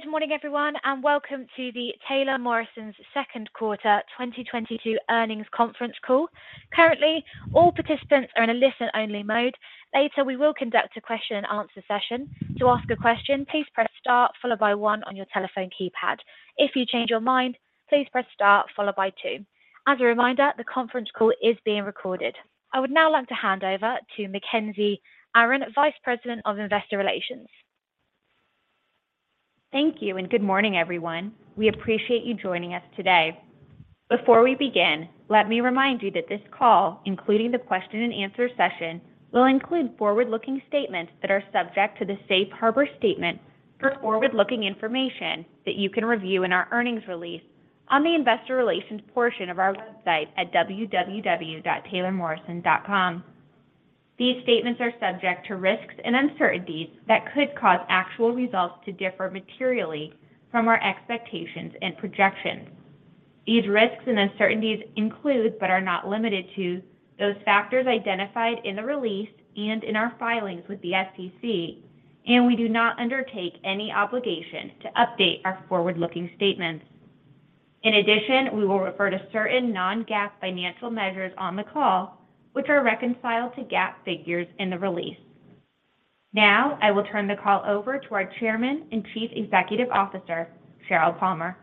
Good morning, everyone, and welcome to the Taylor Morrison's second quarter 2022 earnings conference call. Currently, all participants are in a listen-only mode. Later, we will conduct a question-and-answer session. To ask a question, please press star followed by one on your telephone keypad. If you change your mind, please press star followed by two. As a reminder, the conference call is being recorded. I would now like to hand over to Mackenzie Aron, Vice President of Investor Relations. Thank you, and good morning, everyone. We appreciate you joining us today. Before we begin, let me remind you that this call, including the question and answer session, will include forward-looking statements that are subject to the safe harbor statement for forward-looking information that you can review in our earnings release on the investor relations portion of our website at www.taylormorrison.com. These statements are subject to risks and uncertainties that could cause actual results to differ materially from our expectations and projections. These risks and uncertainties include, but are not limited to, those factors identified in the release and in our filings with the SEC, and we do not undertake any obligation to update our forward-looking statements. In addition, we will refer to certain non-GAAP financial measures on the call, which are reconciled to GAAP figures in the release. Now, I will turn the call over to our Chairman and Chief Executive Officer, Sheryl Palmer.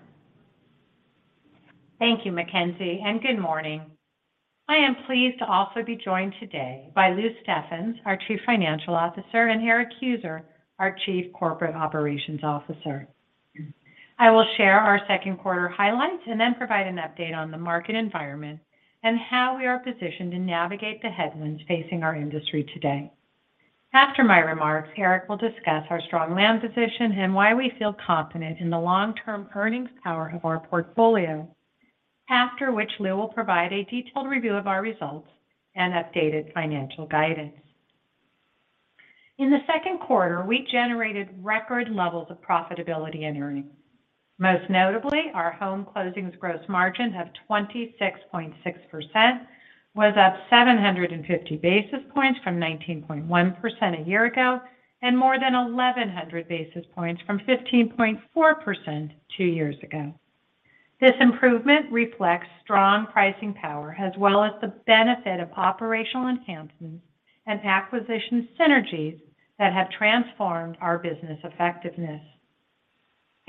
Thank you, Mackenzie, and good morning. I am pleased to also be joined today by Lou Steffens, our Chief Financial Officer, and Erik Heuser, our Chief Corporate Operations Officer. I will share our second quarter highlights and then provide an update on the market environment and how we are positioned to navigate the headwinds facing our industry today. After my remarks, Erik will discuss our strong land position and why we feel confident in the long-term earnings power of our portfolio, after which Lou will provide a detailed review of our results and updated financial guidance. In the second quarter, we generated record levels of profitability and earnings. Most notably, our home closings gross margin of 26.6% was up 750 basis points from 19.1% a year ago and more than 1,100 basis points from 15.4% two years ago. This improvement reflects strong pricing power as well as the benefit of operational enhancements and acquisition synergies that have transformed our business effectiveness.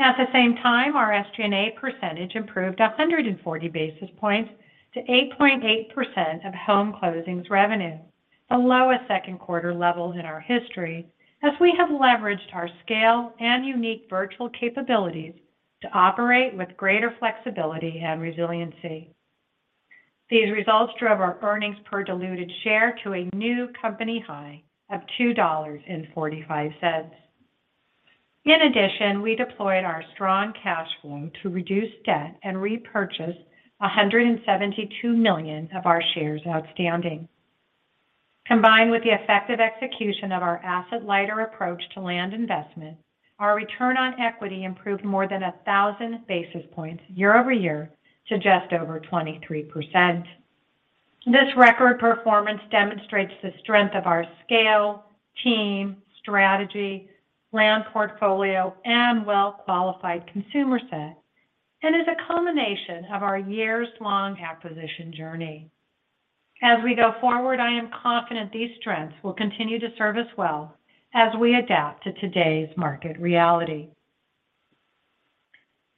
At the same time, our SG&A percentage improved 140 basis points to 8.8% of home closings revenue, the lowest second quarter level in our history, as we have leveraged our scale and unique virtual capabilities to operate with greater flexibility and resiliency. These results drove our earnings per diluted share to a new company high of $2.45. In addition, we deployed our strong cash flow to reduce debt and repurchase $172 million of our shares outstanding. Combined with the effective execution of our asset-lighter approach to land investment, our return on equity improved more than 1,000 basis points year-over-year to just over 23%. This record performance demonstrates the strength of our scale, team, strategy, land portfolio, and well-qualified consumer set and is a culmination of our years-long acquisition journey. As we go forward, I am confident these strengths will continue to serve us well as we adapt to today's market reality.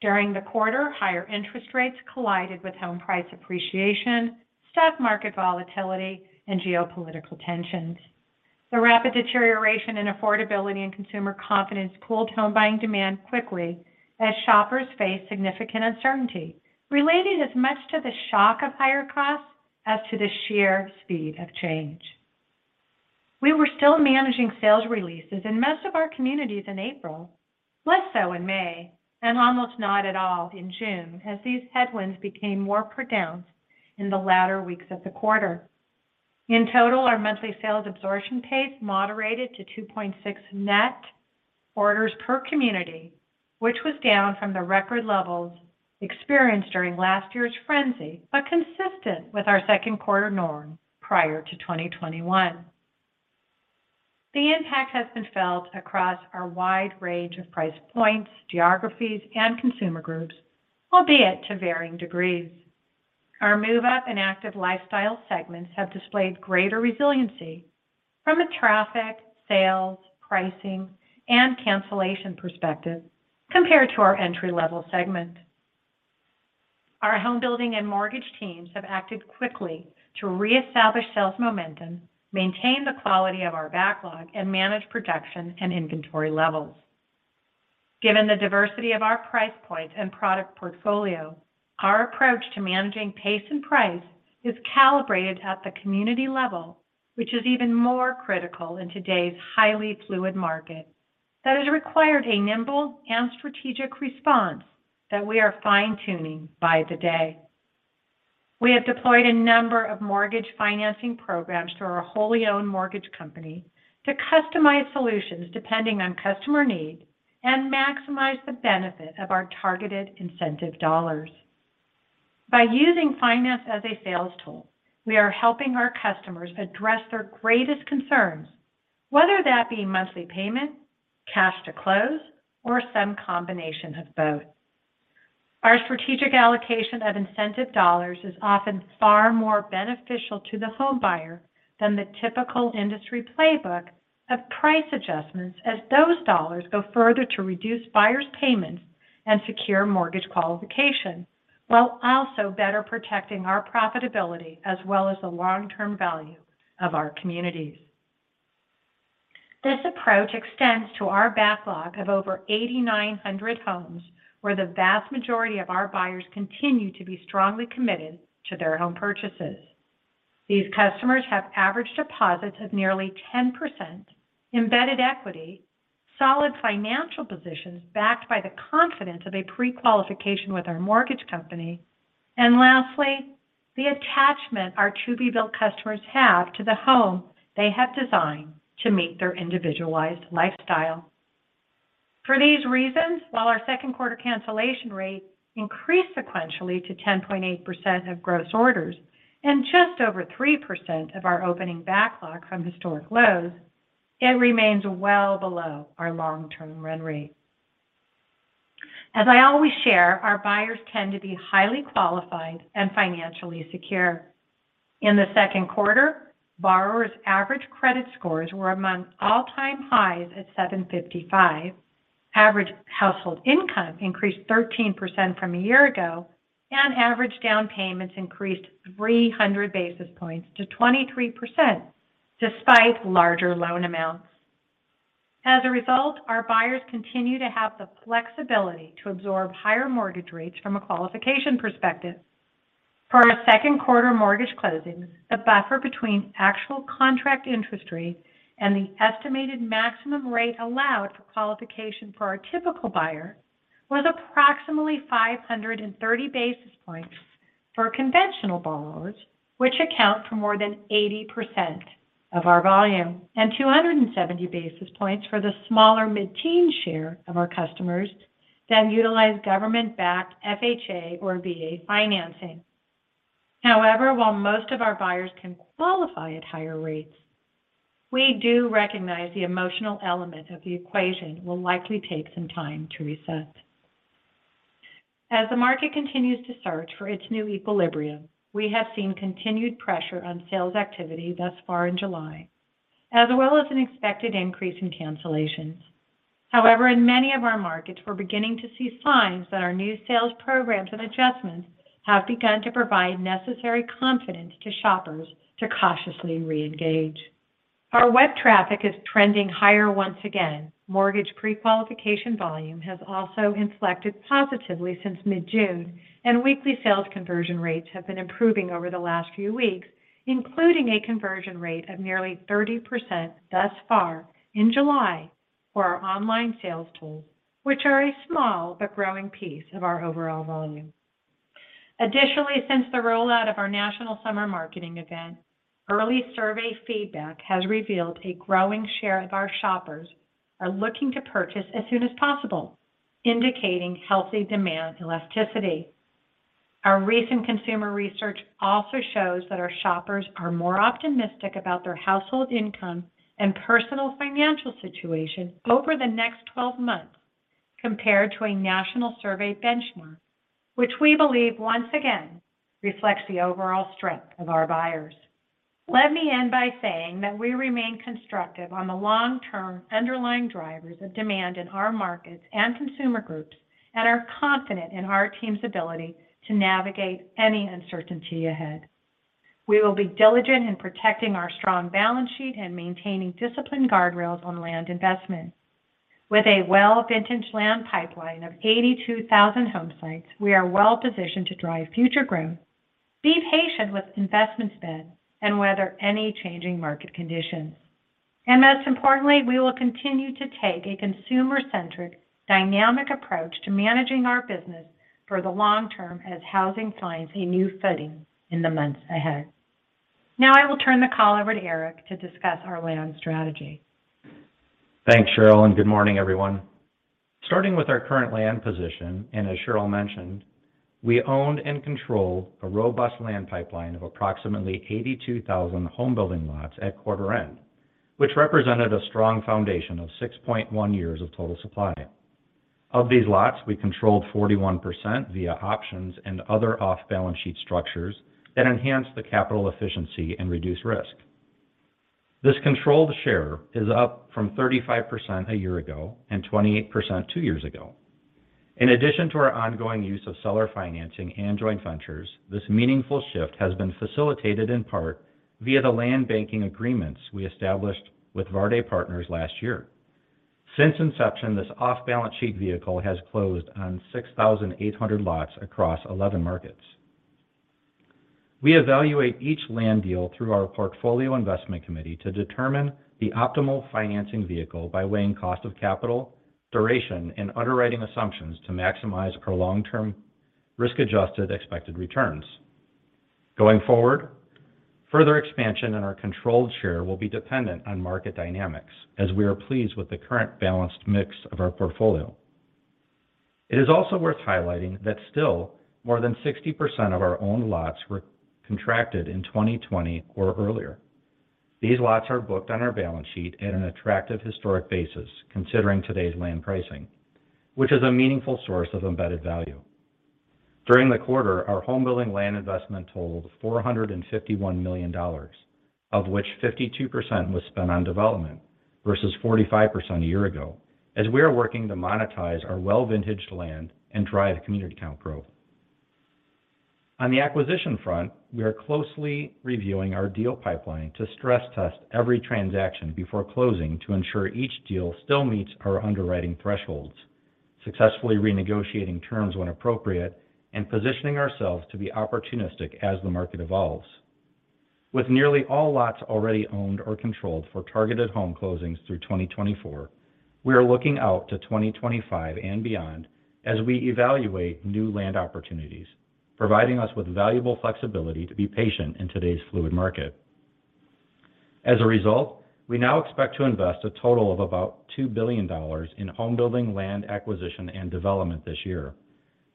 During the quarter, higher interest rates collided with home price appreciation, stock market volatility, and geopolitical tensions. The rapid deterioration in affordability and consumer confidence cooled home buying demand quickly as shoppers faced significant uncertainty related as much to the shock of higher costs as to the sheer speed of change. We were still managing sales releases in most of our communities in April, less so in May, and almost not at all in June as these headwinds became more pronounced in the latter weeks of the quarter. In total, our monthly sales absorption pace moderated to 2.6 net orders per community, which was down from the record levels experienced during last year's frenzy, but consistent with our second quarter norm prior to 2021. The impact has been felt across our wide range of price points, geographies, and consumer groups, albeit to varying degrees. Our move-up and active lifestyle segments have displayed greater resiliency from a traffic, sales, pricing, and cancellation perspective compared to our entry-level segment. Our homebuilding and mortgage teams have acted quickly to reestablish sales momentum, maintain the quality of our backlog, and manage production and inventory levels. Given the diversity of our price point and product portfolio, our approach to managing pace and price is calibrated at the community level, which is even more critical in today's highly fluid market that has required a nimble and strategic response that we are fine-tuning by the day. We have deployed a number of mortgage financing programs through our wholly owned mortgage company to customize solutions depending on customer needs and maximize the benefit of our targeted incentive dollars. By using finance as a sales tool, we are helping our customers address their greatest concerns, whether that be monthly payment, cash to close, or some combination of both. Our strategic allocation of incentive dollars is often far more beneficial to the homebuyer than the typical industry playbook of price adjustments, as those dollars go further to reduce buyers' payments and secure mortgage qualification, while also better protecting our profitability as well as the long-term value of our communities. This approach extends to our backlog of over 8,900 homes, where the vast majority of our buyers continue to be strongly committed to their home purchases. These customers have average deposits of nearly 10% embedded equity, solid financial positions backed by the confidence of a pre-qualification with our mortgage company, and lastly, the attachment our to-be-built customers have to the home they have designed to meet their individualized lifestyle. For these reasons, while our second quarter cancellation rate increased sequentially to 10.8% of gross orders and just over 3% of our opening backlog from historic lows, it remains well below our long-term run rate. As I always share, our buyers tend to be highly qualified and financially secure. In the second quarter, borrowers' average credit scores were among all-time highs at 755. Average household income increased 13% from a year ago, and average down payments increased 300 basis points to 23% despite larger loan amounts. As a result, our buyers continue to have the flexibility to absorb higher mortgage rates from a qualification perspective. Per our second quarter mortgage closings, the buffer between actual contract interest rate and the estimated maximum rate allowed for qualification for our typical buyer was approximately 530 basis points for conventional borrowers, which accounts for more than 80% of our volume and 270 basis points for the smaller mid-teen share of our customers that utilize government-backed FHA or VA financing. However, while most of our buyers can qualify at higher rates, we do recognize the emotional element of the equation will likely take some time to reset. As the market continues to search for its new equilibrium, we have seen continued pressure on sales activity thus far in July, as well as an expected increase in cancellations. However, in many of our markets, we're beginning to see signs that our new sales programs and adjustments have begun to provide necessary confidence to shoppers to cautiously reengage. Our web traffic is trending higher once again. Mortgage pre-qualification volume has also inflected positively since mid-June, and weekly sales conversion rates have been improving over the last few weeks, including a conversion rate of nearly 30% thus far in July for our online sales tools, which are a small but growing piece of our overall volume. Additionally, since the rollout of our national summer marketing event, early survey feedback has revealed a growing share of our shoppers are looking to purchase as soon as possible, indicating healthy demand elasticity. Our recent consumer research also shows that our shoppers are more optimistic about their household income and personal financial situation over the next 12 months compared to a national survey benchmark, which we believe once again reflects the overall strength of our buyers. Let me end by saying that we remain constructive on the long-term underlying drivers of demand in our markets and consumer groups and are confident in our team's ability to navigate any uncertainty ahead. We will be diligent in protecting our strong balance sheet and maintaining disciplined guardrails on land investment. With a well-vintaged land pipeline of 82,000 home sites, we are well-positioned to drive future growth, be patient with investment spend and weather any changing market conditions. Most importantly, we will continue to take a consumer-centric, dynamic approach to managing our business for the long term as housing finds a new footing in the months ahead. Now I will turn the call over to Erik to discuss our land strategy. Thanks, Sheryl, and good morning, everyone. Starting with our current land position, as Sheryl mentioned, we own and control a robust land pipeline of approximately 82,000 homebuilding lots at quarter-end, which represented a strong foundation of 6.1 years of total supply. Of these lots, we controlled 41% via options and other off-balance sheet structures that enhance the capital efficiency and reduce risk. This controlled share is up from 35% a year ago and 28% two years ago. In addition to our ongoing use of seller financing and joint ventures, this meaningful shift has been facilitated in part via the land banking agreements we established with Värde Partners last year. Since inception, this off-balance sheet vehicle has closed on 6,800 lots across 11 markets. We evaluate each land deal through our portfolio investment committee to determine the optimal financing vehicle by weighing cost of capital, duration, and underwriting assumptions to maximize our long-term risk-adjusted expected returns. Going forward, further expansion in our controlled share will be dependent on market dynamics, as we are pleased with the current balanced mix of our portfolio. It is also worth highlighting that still more than 60% of our owned lots were contracted in 2020 or earlier. These lots are booked on our balance sheet at an attractive historic basis considering today's land pricing, which is a meaningful source of embedded value. During the quarter, our homebuilding land investment totalled $451 million, of which 52% was spent on development versus 45% a year ago as we are working to monetize our well-vintaged land and drive community count growth. On the acquisition front, we are closely reviewing our deal pipeline to stress test every transaction before closing to ensure each deal still meets our underwriting thresholds, successfully renegotiating terms when appropriate, and positioning ourselves to be opportunistic as the market evolves. With nearly all lots already owned or controlled for targeted home closings through 2024, we are looking out to 2025 and beyond as we evaluate new land opportunities, providing us with valuable flexibility to be patient in today's fluid market. As a result, we now expect to invest a total of about $2 billion in homebuilding land acquisition and development this year,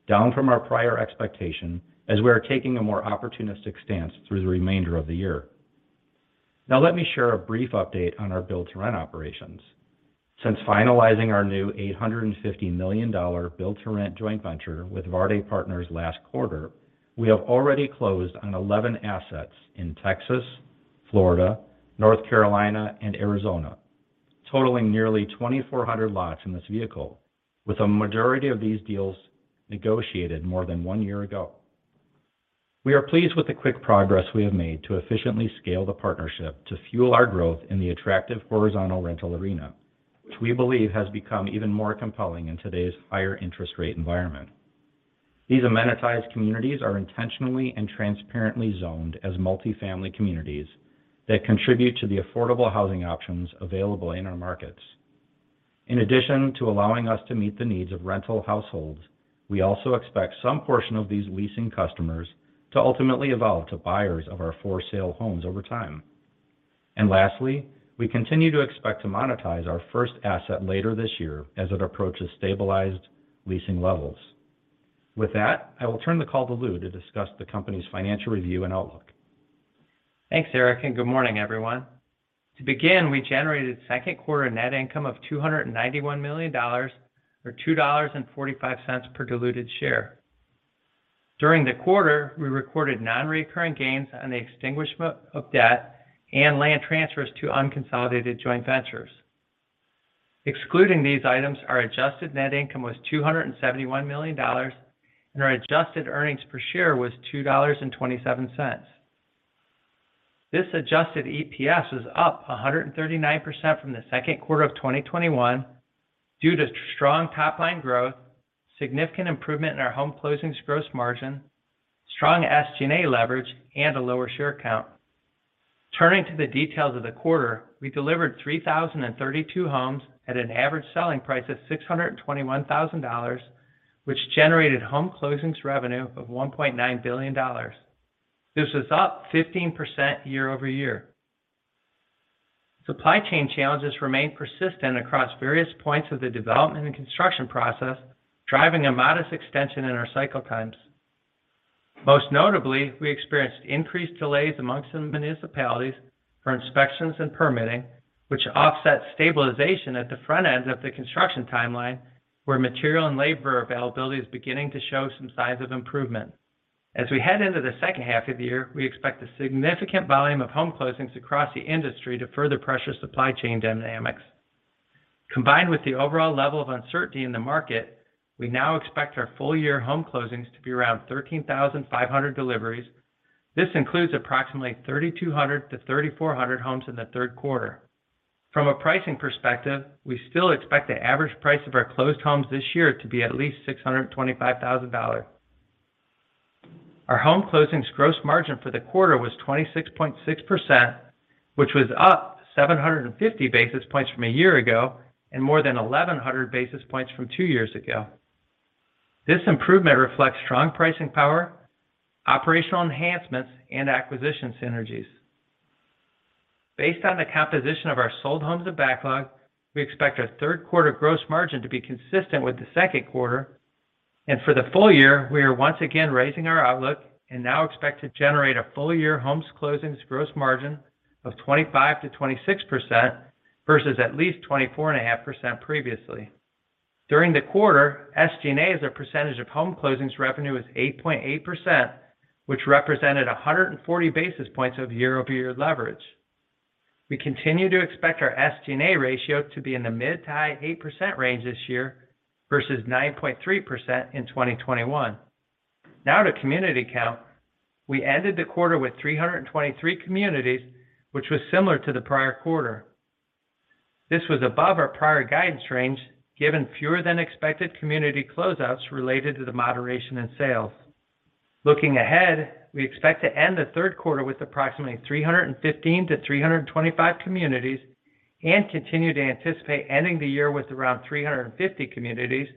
down from our prior expectation, as we are taking a more opportunistic stance through the remainder of the year. Now, let me share a brief update on our Build-to-Rent operations. Since finalizing our new $850 million Build-to-Rent joint venture with Värde Partners last quarter, we have already closed on 11 assets in Texas, Florida, North Carolina, and Arizona, totalling nearly 2,400 lots in this vehicle, with a majority of these deals negotiated more than one year ago. We are pleased with the quick progress we have made to efficiently scale the partnership to fuel our growth in the attractive horizontal rental arena, which we believe has become even more compelling in today's higher interest rate environment. These amenitized communities are intentionally and transparently zoned as multi-family communities that contribute to the affordable housing options available in our markets. In addition to allowing us to meet the needs of rental households, we also expect some portion of these leasing customers to ultimately evolve to buyers of our for sale homes over time. Lastly, we continue to expect to monetize our first asset later this year as it approaches stabilized leasing levels. With that, I will turn the call to Lou to discuss the company's financial review and outlook. Thanks, Erik, and good morning, everyone. To begin, we generated second quarter net income of $291 million or $2.45 per diluted share. During the quarter, we recorded non-recurring gains on the extinguishment of debt and land transfers to unconsolidated joint ventures. Excluding these items, our adjusted net income was $271 million, and our adjusted earnings per share was $2.27. This adjusted EPS was up 139% from the second quarter of 2021 due to strong top-line growth, significant improvement in our home closings gross margin, strong SG&A leverage, and a lower share count. Turning to the details of the quarter, we delivered 3,032 homes at an average selling price of $621,000, which generated home closings revenue of $1.9 billion. This is up 15% year-over-year. Supply chain challenges remain persistent across various points of the development and construction process, driving a modest extension in our cycle times. Most notably, we experienced increased delays amongst some municipalities for inspections and permitting, which offset stabilization at the front end of the construction timeline, where material and labour availability is beginning to show some signs of improvement. As we head into the second half of the year, we expect a significant volume of home closings across the industry to further pressure supply chain dynamics. Combined with the overall level of uncertainty in the market, we now expect our full-year home closings to be around 13,500 deliveries. This includes approximately 3,200-3,400 homes in the third quarter. From a pricing perspective, we still expect the average price of our closed homes this year to be at least $625,000. Our home closings gross margin for the quarter was 26.6%, which was up 750 basis points from a year ago and more than 1,100 basis points from two years ago. This improvement reflects strong pricing power, operational enhancements, and acquisition synergies. Based on the composition of our sold homes and backlog, we expect our third quarter gross margin to be consistent with the second quarter. For the full year, we are once again raising our outlook and now expect to generate a full year homes closings gross margin of 25%-26% versus at least 24.5% previously. During the quarter, SG&A as a percentage of home closings revenue was 8.8%, which represented 140 basis points of year-over-year leverage. We continue to expect our SG&A ratio to be in the mid- to high-8% range this year versus 9.3% in 2021. Now to community count. We ended the quarter with 323 communities, which was similar to the prior quarter. This was above our prior guidance range, given fewer than expected community closeouts related to the moderation in sales. Looking ahead, we expect to end the third quarter with approximately 315-325 communities and continue to anticipate ending the year with around 350 communities.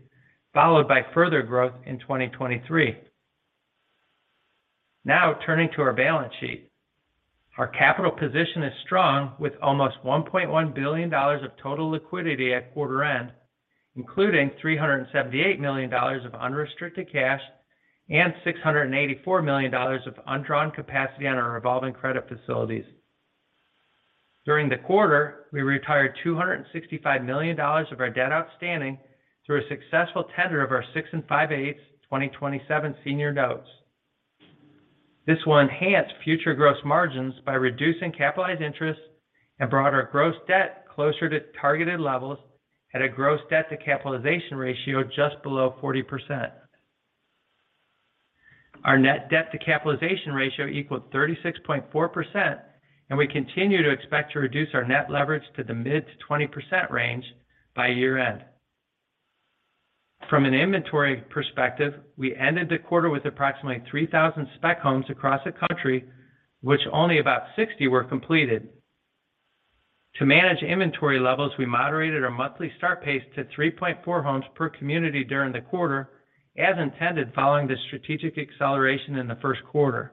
Followed by further growth in 2023. Now turning to our balance sheet. Our capital position is strong with almost $1.1 billion of total liquidity at quarter end, including $378 million of unrestricted cash and $684 million of undrawn capacity on our revolving credit facilities. During the quarter, we retired $265 million of our debt outstanding through a successful tender of our 6.58% 2027 Senior Notes. This will enhance future gross margins by reducing capitalized interest and brought our gross debt closer to targeted levels at a gross debt to capitalization ratio just below 40%. Our net debt to capitalization ratio equals 36.4%, and we continue to expect to reduce our net leverage to the mid-20% range by year-end. From an inventory perspective, we ended the quarter with approximately 3,000 spec homes across the country, which only about 60 were completed. To manage inventory levels, we moderated our monthly start pace to 3.4 homes per community during the quarter as intended following the strategic acceleration in the first quarter.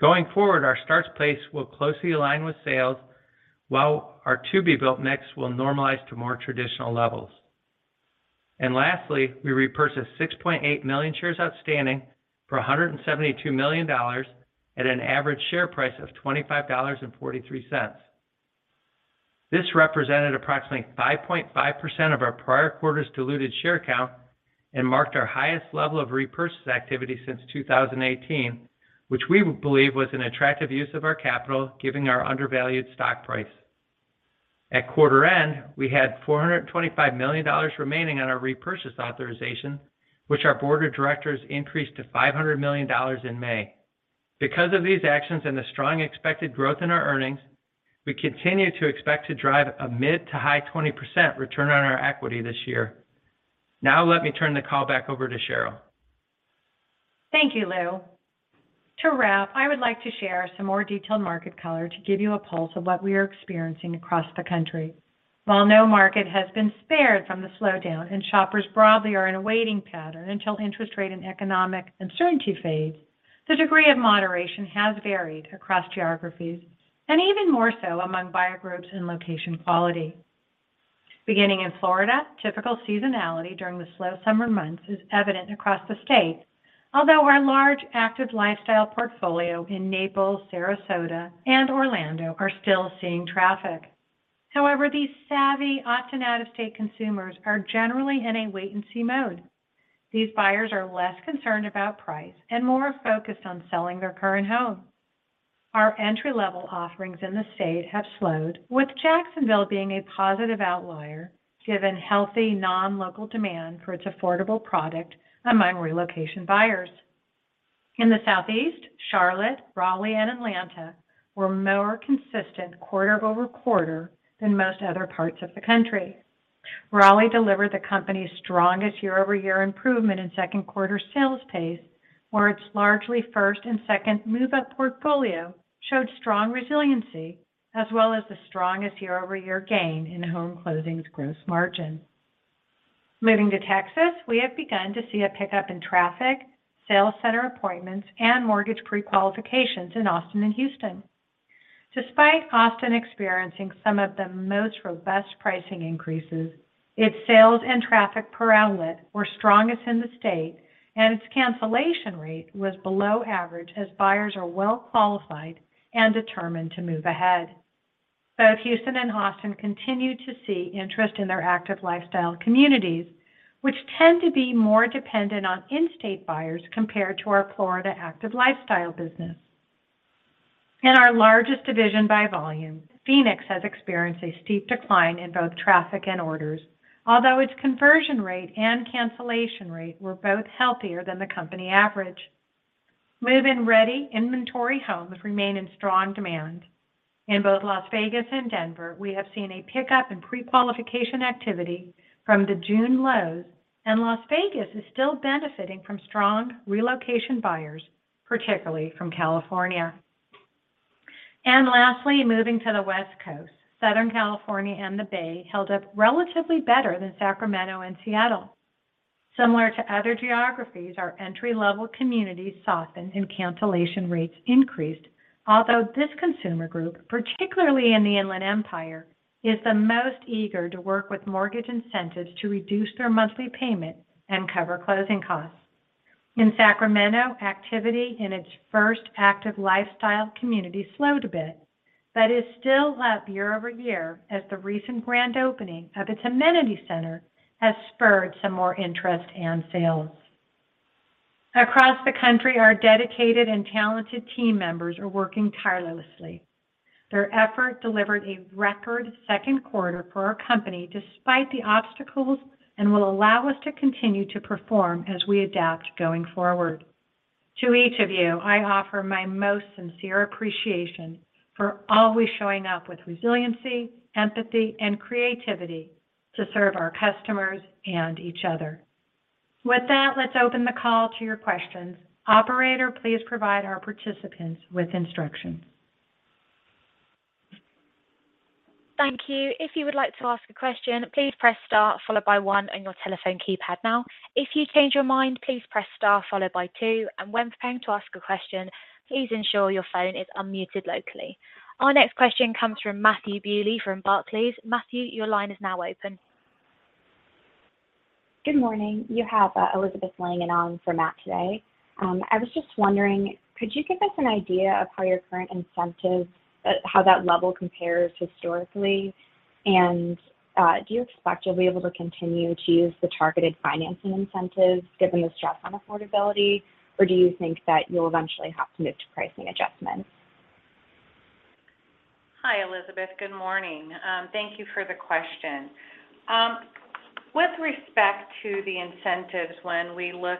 Going forward, our start pace will closely align with sales, while our to-be-built mix will normalize to more traditional levels. Lastly, we repurchased 6.8 million shares outstanding for $172 million at an average share price of $25.43. This represented approximately 5.5% of our prior quarter's diluted share count and marked our highest level of repurchase activity since 2018, which we believe was an attractive use of our capital, given our undervalued stock price. At quarter end, we had $425 million remaining on our repurchase authorization, which our board of directors increased to $500 million in May. Because of these actions and the strong expected growth in our earnings, we continue to expect to drive a mid- to high-20% return on our equity this year. Now, let me turn the call back over to Sheryl. Thank you, Lou. To wrap, I would like to share some more detailed market color to give you a pulse of what we are experiencing across the country. While no market has been spared from the slowdown and shoppers broadly are in a waiting pattern until interest rate and economic uncertainty fade, the degree of moderation has varied across geographies and even more so among buyer groups and location quality. Beginning in Florida, typical seasonality during the slow summer months is evident across the state. Although our large active lifestyle portfolio in Naples, Sarasota, and Orlando are still seeing traffic. However, these savvy, often out-of-state consumers are generally in a wait-and-see mode. These buyers are less concerned about price and more focused on selling their current home. Our entry-level offerings in the state have slowed, with Jacksonville being a positive outlier given healthy non-local demand for its affordable product among relocation buyers. In the Southeast, Charlotte, Raleigh, and Atlanta were more consistent quarter-over-quarter than most other parts of the country. Raleigh delivered the company's strongest year-over-year improvement in second quarter sales pace, where its largely first and second move-up portfolio showed strong resiliency as well as the strongest year-over-year gain in home closings gross margin. Moving to Texas, we have begun to see a pickup in traffic, sales center appointments, and mortgage pre-qualifications in Austin and Houston. Despite Austin experiencing some of the most robust pricing increases, its sales and traffic per outlet were strongest in the state, and its cancellation rate was below average, as buyers are well-qualified and determined to move ahead. Both Houston and Austin continue to see interest in their active lifestyle communities, which tend to be more dependent on in-state buyers compared to our Florida active lifestyle business. In our largest division by volume, Phoenix has experienced a steep decline in both traffic and orders. Although its conversion rate and cancellation rate were both healthier than the company average. Move-in-ready inventory homes remain in strong demand. In both Las Vegas and Denver, we have seen a pickup in pre-qualification activity from the June lows, and Las Vegas is still benefiting from strong relocation buyers, particularly from California. Lastly, moving to the West Coast, Southern California and the Bay Area held up relatively better than Sacramento and Seattle. Similar to other geographies, our entry-level communities softened and cancellation rates increased, although this consumer group, particularly in the Inland Empire, is the most eager to work with mortgage incentives to reduce their monthly payment and cover closing costs. In Sacramento, activity in its first active lifestyle community slowed a bit, but is still up year-over-year as the recent grand opening of its amenity center has spurred some more interest and sales. Across the country, our dedicated and talented team members are working tirelessly. Their effort delivered a record second quarter for our company despite the obstacles and will allow us to continue to perform as we adapt going forward. To each of you, I offer my most sincere appreciation for always showing up with resiliency, empathy, and creativity to serve our customers and each other. With that, let's open the call to your questions. Operator, please provide our participants with instructions. Thank you. If you would like to ask a question, please press star followed by one on your telephone keypad now. If you change your mind, please press star followed by two. When preparing to ask a question, please ensure your phone is unmuted locally. Our next question comes from Matthew Bouley from Barclays. Matthew, your line is now open. Good morning. You have Elizabeth Langan for Matt today. I was just wondering, could you give us an idea of how your current incentive how that level compares historically? Do you expect you'll be able to continue to use the targeted financing incentives, given the stress on affordability, or do you think that you'll eventually have to move to pricing adjustments? Hi, Elizabeth. Good morning. Thank you for the question. With respect to the incentives, when we look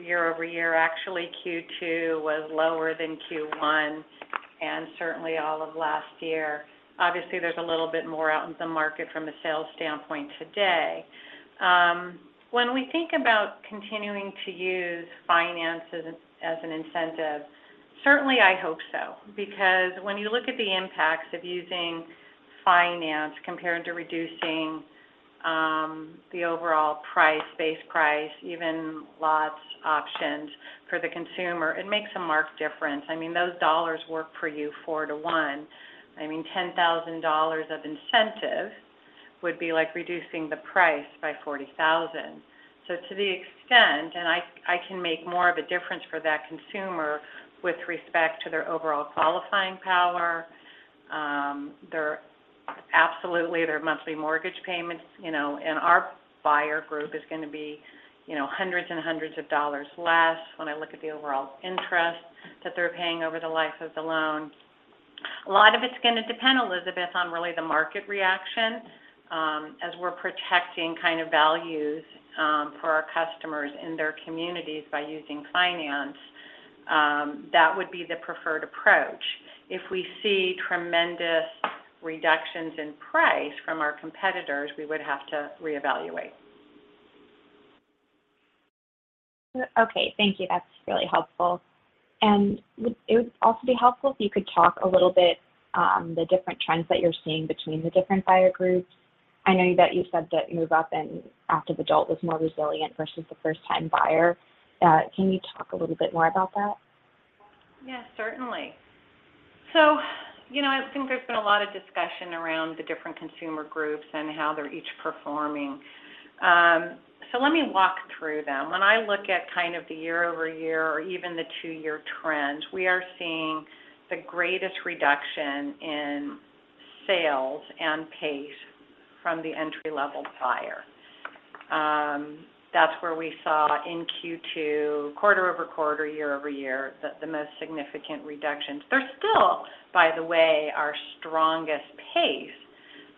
year-over-year, actually Q2 was lower than Q1, and certainly all of last year. Obviously, there's a little bit more out in the market from a sales standpoint today. When we think about continuing to use financing as an incentive, certainly, I hope so. Because when you look at the impacts of using financing compared to reducing the overall price, base price, even lots, options for the consumer, it makes a marked difference. I mean, those dollars work for you 4-to-1. I mean, $10,000 of incentive would be like reducing the price by $40,000. To the extent I can make more of a difference for that consumer with respect to their overall qualifying power. Absolutely, their monthly mortgage payments, you know, and our buyer group is gonna be, you know, hundreds and hundreds of dollars less when I look at the overall interest that they're paying over the life of the loan. A lot of it's gonna depend, Elizabeth, on really the market reaction, as we're protecting kind of values for our customers in their communities by using finance. That would be the preferred approach. If we see tremendous reductions in price from our competitors, we would have to reevaluate. Okay. Thank you. That's really helpful. Would it also be helpful if you could talk a little bit, the different trends that you're seeing between the different buyer groups? I know that you said that move-up and active adult was more resilient versus the first-time buyer. Can you talk a little bit more about that? Yeah, certainly. You know, I think there's been a lot of discussion around the different consumer groups and how they're each performing. Let me walk through them. When I look at the year-over-year or even the two-year trends, we are seeing the greatest reduction in sales and pace from the entry-level buyer. That's where we saw in Q2, quarter-over-quarter, year-over-year, the most significant reductions. They're still, by the way, our strongest pace,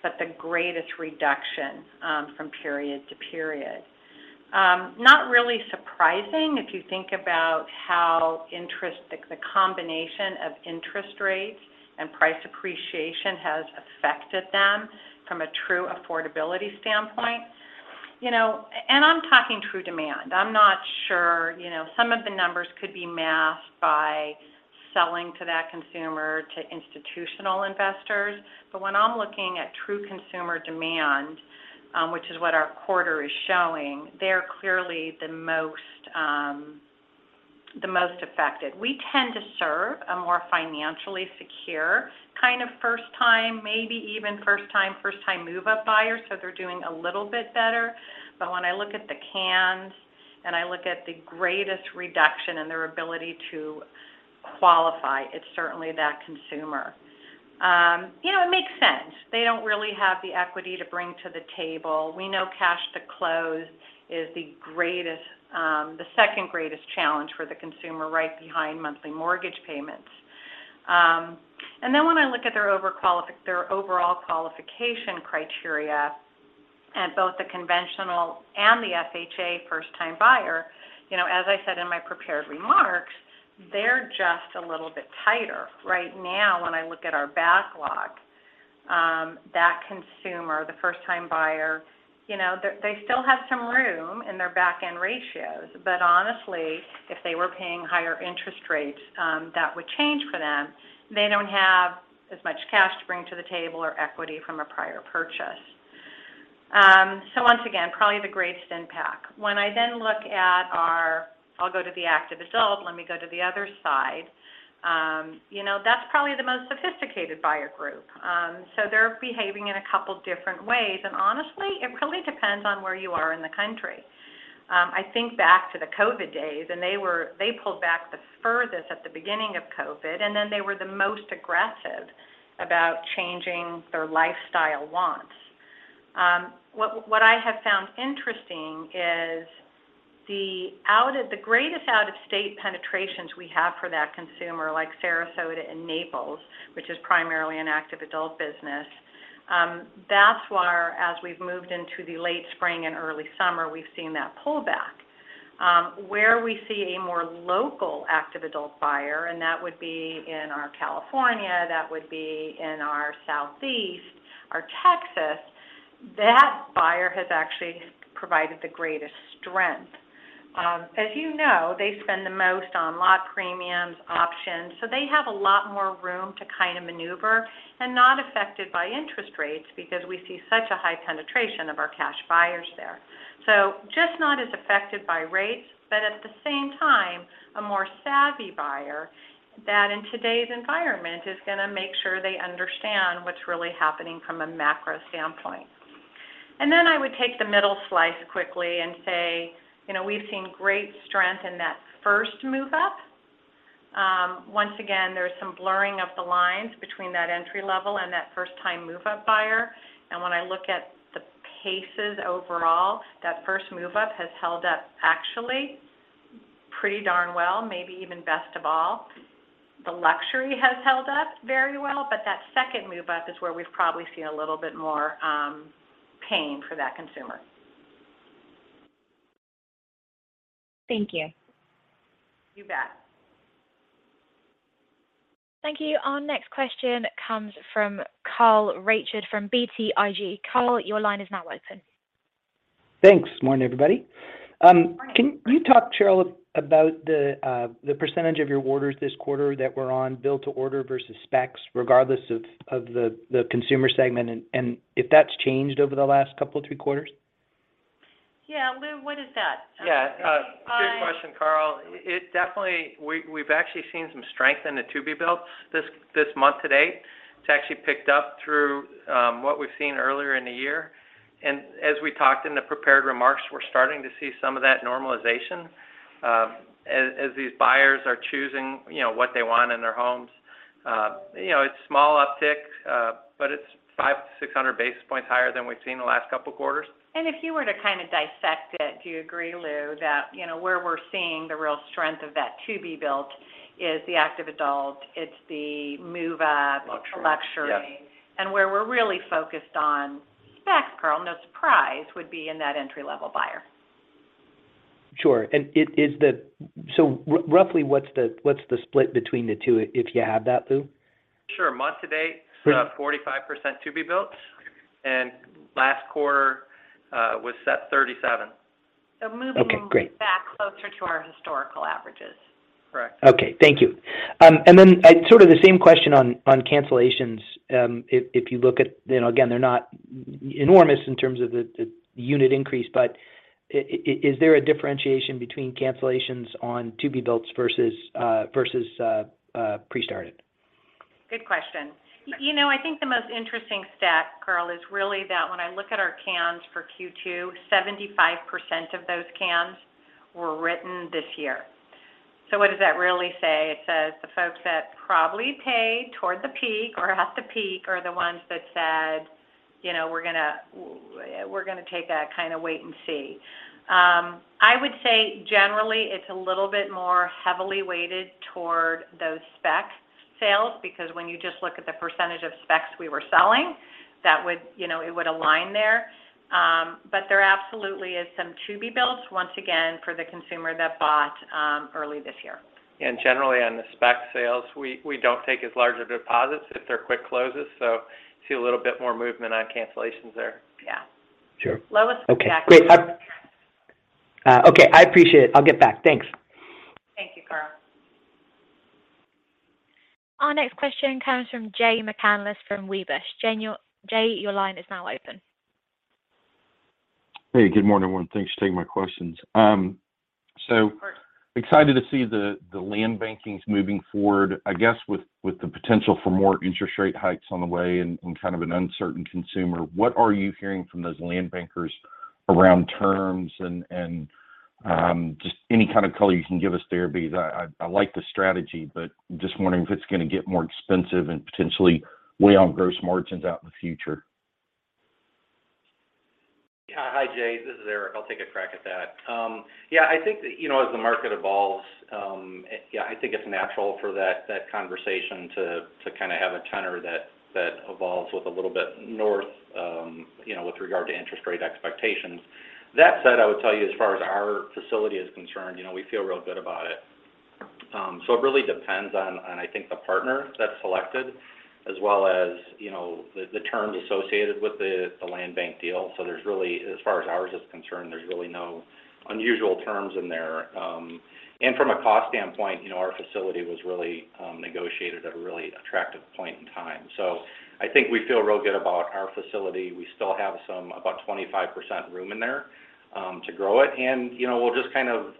but the greatest reduction from period to period. Not really surprising if you think about how the combination of interest rates and price appreciation has affected them from a true affordability standpoint. You know, and I'm talking true demand. I'm not sure, you know, some of the numbers could be masked by selling to that consumer to institutional investors. When I'm looking at true consumer demand, which is what our quarter is showing, they're clearly the most affected. We tend to serve a more financially secure kind of first-time, maybe even move-up buyers, so they're doing a little bit better. When I look at the trends, and I look at the greatest reduction in their ability to qualify, it's certainly that consumer. You know, it makes sense. They don't really have the equity to bring to the table. We know cash to close is the second greatest challenge for the consumer right behind monthly mortgage payments. When I look at their overall qualification criteria at both the conventional and the FHA first-time buyer, you know, as I said in my prepared remarks, they're just a little bit tighter. Right now, when I look at our backlog, that consumer, the first-time buyer, you know, they still have some room in their back-end ratios, but honestly, if they were paying higher interest rates, that would change for them. They don't have as much cash to bring to the table or equity from a prior purchase. Once again, probably the greatest impact. When I then look at our backlog, I'll go to the active adult. Let me go to the other side. You know, that's probably the most sophisticated buyer group. They're behaving in a couple different ways, and honestly, it really depends on where you are in the country. I think back to the COVID days, and they pulled back the furthest at the beginning of COVID, and then they were the most aggressive about changing their lifestyle wants. What I have found interesting is the greatest out-of-state penetrations we have for that consumer, like Sarasota and Naples, which is primarily an active adult business, that's where, as we've moved into the late spring and early summer, we've seen that pullback. Where we see a more local active adult buyer, and that would be in our California, that would be in our Southeast, our buyer has actually provided the greatest strength. As you know, they spend the most on lot premiums, options, so they have a lot more room to manoeuvre and not affected by interest rates because we see such a high penetration of our cash buyers there. Just not as affected by rates, but at the same time, a more savvy buyer that in today's environment is gonna make sure they understand what's really happening from a macro standpoint. Then I would take the middle slice quickly and say, you know, we've seen great strength in that first move up. Once again, there's some blurring of the lines between that entry level and that first-time move-up buyer. When I look at the paces overall, that first move up has held up actually pretty darn well, maybe even best of all. The luxury has held up very well, but that second move up is where we've probably seen a little bit more pain for that consumer. Thank you. You bet. Thank you. Our next question comes from Carl Reichardt from BTIG. Carl, your line is now open. Thanks. Morning, everybody. Can you talk, Sheryl, about the percentage of your orders this quarter that were on build to order versus specs, regardless of the consumer segment, and if that's changed over the last couple of two quarters? Yeah. Lou, what is that? Yeah. Good question, Carl. It definitely. We've actually seen some strength in the to-be-built this month to date. It's actually picked up from what we've seen earlier in the year. As we talked in the prepared remarks, we're starting to see some of that normalization, as these buyers are choosing, you know, what they want in their homes. You know, it's small uptick, but it's 500-600 basis points higher than we've seen the last couple of quarters. If you were to kind of dissect it, do you agree, Lou, that, you know, where we're seeing the real strength of that to-be-built is the active adult, it's the move up? Luxury Yes. Where we're really focused on specs, Carl, no surprise, would be in that entry-level buyer. Sure. Roughly, what's the split between the two, if you have that, Lou? Sure. Month to date. It's about 45% to be built, and last quarter was set 37%. Okay, great. Moving back closer to our historical averages. Correct. Okay. Thank you. Sort of the same question on cancellations. If you look at, you know, again, they're not enormous in terms of the unit increase, but is there a differentiation between cancellations on to-be-builts versus pre-started? Good question. You know, I think the most interesting stat, Carl, is really that when I look at our cans for Q2, 75% of those cans were written this year. What does that really say? It says the folks that probably paid towards the peak or at the peak are the ones that said, you know, 'We're gonna take a kind of wait and see.' I would say generally it's a little bit more heavily weighted toward those spec sales because when you just look at the percentage of specs we were selling, that would, you know, it would align there. There absolutely is some to-be-built, once again, for the consumer that bought early this year. Generally, on the spec sales, we don't take as large of deposits if they're quick closes, so we see a little bit more movement on cancellations there. Yeah. Sure. Lou will be back. Okay. Great. Okay. I appreciate it. I'll get back. Thanks. Thank you, Carl. Our next question comes from Jay McCanless from Wedbush. Jay, your line is now open. Hey, good morning, everyone. Thanks for taking my questions. Of course. Excited to see the land bankings moving forward. I guess with the potential for more interest rate hikes on the way and kind of an uncertain consumer, what are you hearing from those land bankers around terms and just any kind of color you can give us there, because I like the strategy, but just wondering if it's gonna get more expensive and potentially weigh on gross margins out in the future. Hi, Jay. This is Erik. I'll take a crack at that. Yeah, I think, you know, as the market evolves, yeah, I think it's natural for that conversation to kind of have a tenor that evolves with a little bit north, you know, with regard to interest rate expectations. That said, I would tell you as far as our facility is concerned, you know, we feel real good about it. So it really depends on, I think, the partner that's selected, as well as, you know, the terms associated with the land bank deal. So there's really as far as ours is concerned, there's really no unusual terms in there. From a cost standpoint, you know, our facility was really negotiated at a really attractive point in time. I think we feel real good about our facility. We still have some, about 25% room in there, to grow it. You know, we'll just kind of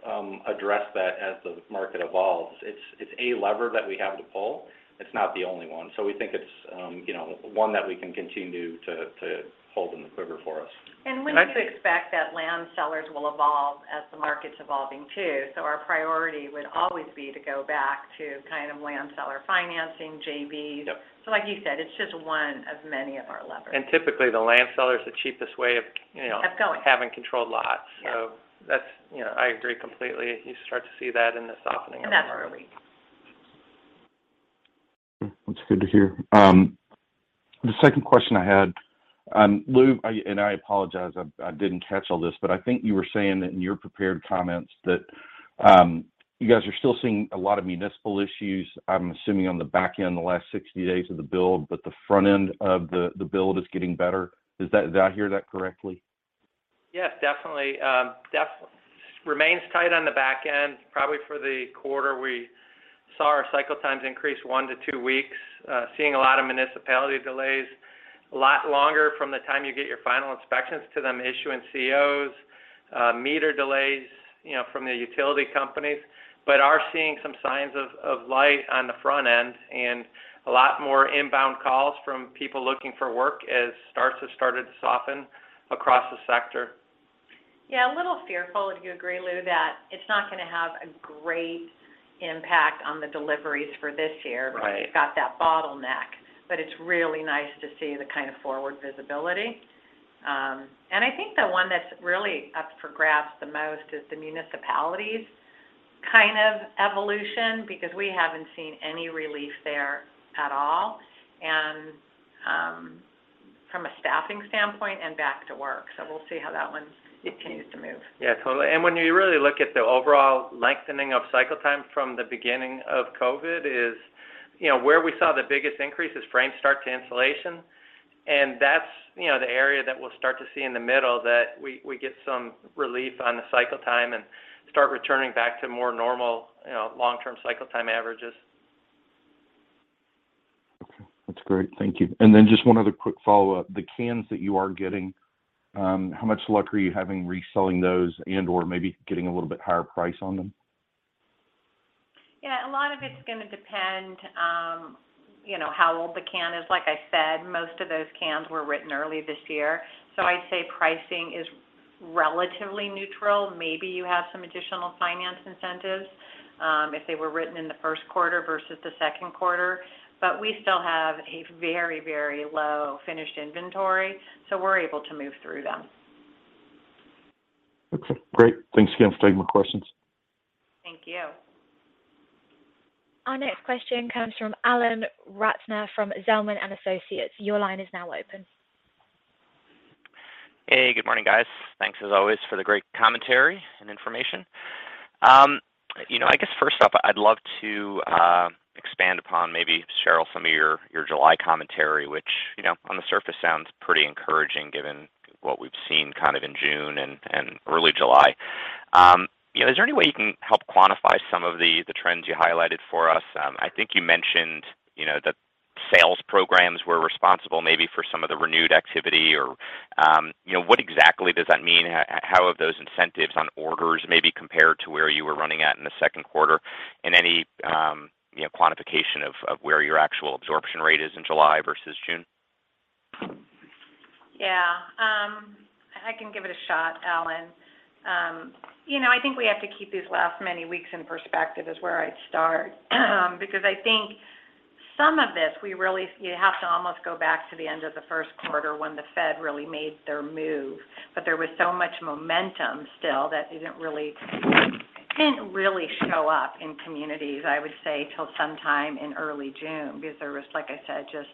address that as the market evolves. It's a lever that we have to pull. It's not the only one. We think it's, you know, one that we can continue to hold in the quiver for us. We do expect that land sellers will evolve as the market's evolving too. Our priority would always be to go back to kind of land seller financing, JVs. Yep. Like you said, it's just one of many of our levers. Typically, the land seller is the cheapest way of, you know, having controlled lots. Yeah. That's, you know, I agree completely. You start to see that in the softening of the market. That's where we That's good to hear. The second question I had, Lou, and I apologize, I didn't catch all this, but I think you were saying that in your prepared comments that you guys are still seeing a lot of municipal issues, I'm assuming on the back end, the last 60 days of the build, but the front end of the build is getting better. Is that did I hear that correctly? Yes, definitely. Remains tight on the back end, probably for the quarter. We saw our cycle times increase one to two weeks, seeing a lot of municipality delays a lot longer from the time you get your final inspections to them issuing COs, meter delays, you know, from the utility companies, but are seeing some signs of light on the front end and a lot more inbound calls from people looking for work as starts have started to soften across the sector. Yeah. A little fearful, would you agree, Lou, that it's not going to have a great impact on the deliveries for this year? Right Because you've got that bottleneck, but it's really nice to see the kind of forward visibility. I think the one that's really up for grabs the most is the municipalities kind of evolution because we haven't seen any relief there at all, and, from a staffing standpoint and back to work. We'll see how that one continues to move. Yeah, totally. When you really look at the overall lengthening of cycle time from the beginning of COVID is where we saw the biggest increase is frame start to installation. That's, you know, the area that we'll start to see in the middle that we get some relief on the cycle time and start returning back to more normal, you know, long-term cycle time averages. Okay. That's great. Thank you. Just one other quick follow-up. The cancellations that you are getting, how much luck are you having reselling those and/or maybe getting a little bit higher price on them? Yeah, a lot of it's going to depend, you know, how old the can is. Like I said, most of those cans were written early this year. I'd say pricing is relatively neutral. Maybe you have some additional finance incentives, if they were written in the first quarter versus the second quarter. We still have a very, very low finished inventory, so we're able to move through them. Okay. Great. Thanks again for taking my questions. Thank you. Our next question comes from Alan Ratner from Zelman & Associates. Your line is now open. Hey, good morning, guys. Thanks as always for the great commentary and information. I guess first off, I'd love to expand upon maybe, Sheryl, some of your July commentary, which, you know, on the surface sounds pretty encouraging given what we've seen kind of in June and early July. You know, is there any way you can help quantify some of the trends you highlighted for us? I think you mentioned, you know, the sales programs were responsible maybe for some of the renewed activity or, you know, what exactly does that mean? How have those incentives on orders maybe compared to where you were running at in the second quarter and any, you know, quantification of where your actual absorption rate is in July versus June? Yeah. I can give it a shot, Alan. You know, I think we have to keep these last many weeks in perspective, is where I'd start, because I think some of this, you have to almost go back to the end of the first quarter when the Fed really made their move. There was so much momentum still that didn't really show up in communities, I would say, till sometime in early June, because there was, like I said, just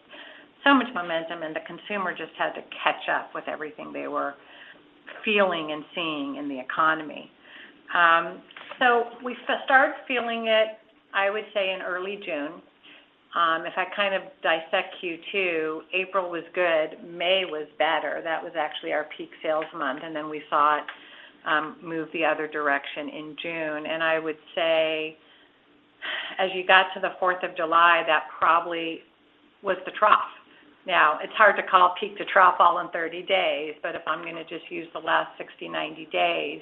so much momentum, and the consumer just had to catch up with everything they were feeling and seeing in the economy. We start feeling it, I would say in early June. If I kind of dissect Q2, April was good, May was better. That was actually our peak sales month, and then we saw it move the other direction in June. I would say as you got to the Fourth of July, that probably was the trough. Now, it's hard to call peak to trough all in 30 days, but if I'm going to just use the last 60, 90 days,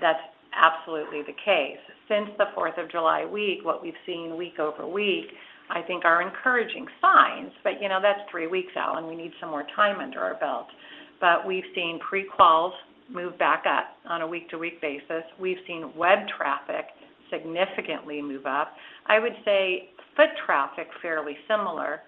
that's absolutely the case. Since the Fourth of July week, what we've seen week-over-week, I think, are encouraging signs. You know, that's three weeks, Alan. We need some more time under our belt. We've seen pre-quals move back up on a week-to-week basis. We've seen web traffic significantly move up. I would say foot traffic, fairly similar.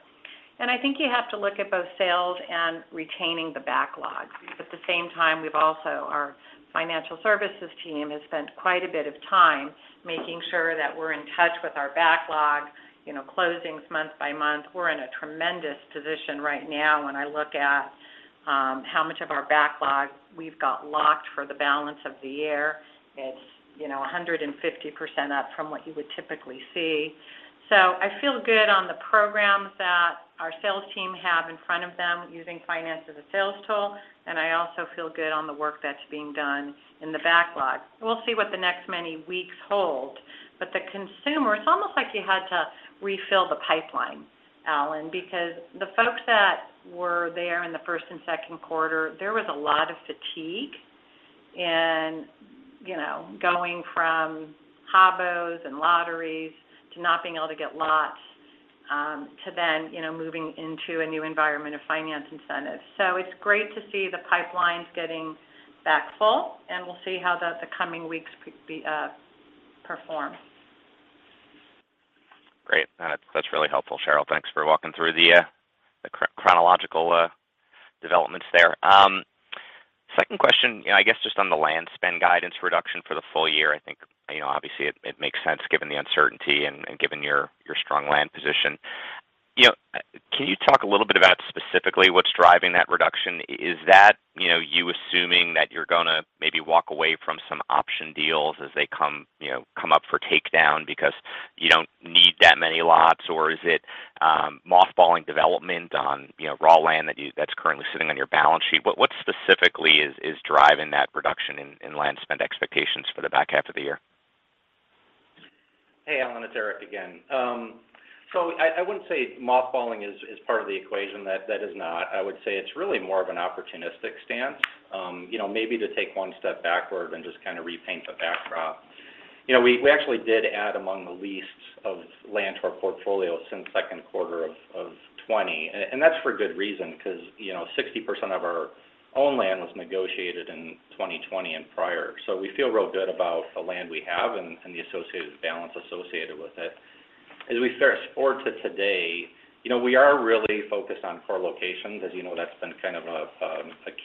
I think you have to look at both sales and retaining the backlog. At the same time, we've also, our financial services team has spent quite a bit of time making sure that we're in touch with our backlog, you know, closings month by month. We're in a tremendous position right now when I look at how much of our backlog we've got locked for the balance of the year. It's, you know, 150% up from what you would typically see. I feel good on the programs that our sales team have in front of them using finance as a sales tool, and I also feel good on the work that's being done in the backlog. We'll see what the next many weeks hold. The consumer, it's almost like you had to refill the pipeline, Alan, because the folks that were there in the first and second quarter, there was a lot of fatigue in, you know, going from H&BOs and lotteries to not being able to get lots, to then, you know, moving into a new environment of finance incentives. It's great to see the pipelines getting back full, and we'll see how the coming weeks perform. Great. That's really helpful, Sheryl. Thanks for walking through the chronological developments there. Second question, you know, I guess just on the land spend guidance reduction for the full year. I think, you know, obviously it makes sense given the uncertainty and given your strong land position. You know, can you talk a little bit about specifically what's driving that reduction? Is that, you know, you assuming that you're gonna maybe walk away from some option deals as they come, you know, come up for takedown because you don't need that many lots? Or is it mothballing development on, you know, raw land that's currently sitting on your balance sheet? What specifically is driving that reduction in land spend expectations for the back half of the year? Hey, Alan, it's Erik again. I wouldn't say mothballing is part of the equation. That is not. I would say it's really more of an opportunistic stance, you know, maybe to take one step backward and just kind of repaint the backdrop. We actually did add among the least of land to our portfolio since second quarter of 2020. That's for good reason, because 60% of our own land was negotiated in 2020 and prior. We feel real good about the land we have and the associated balance with it. As we fast-forward to today, you know, we are really focused on core locations. As you know, that's been kind of a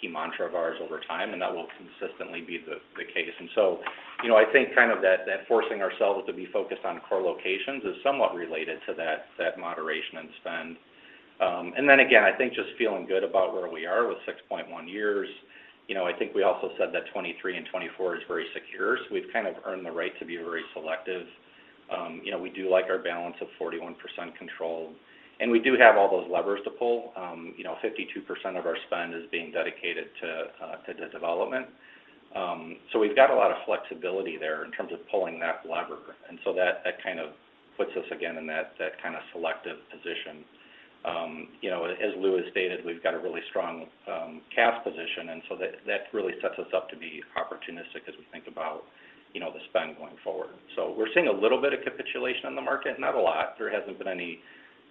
key mantra of ours over time, and that will consistently be the case. You know, I think kind of that forcing ourselves to be focused on core locations is somewhat related to that moderation in spend. I think just feeling good about where we are with 6.1 years. You know, I think we also said that 2023 and 2024 is very secure, so we've kind of earned the right to be very selective. You know, we do like our balance of 41% control, and we do have all those levers to pull. You know, 52% of our spend is being dedicated to development. So we've got a lot of flexibility there in terms of pulling that lever. That kind of puts us again in that kind of selective position. You know, as Lou has stated, we've got a really strong cash position, and so that really sets us up to be opportunistic as we think about, you know, the spend going forward. We're seeing a little bit of capitulation in the market, not a lot. There hasn't been any,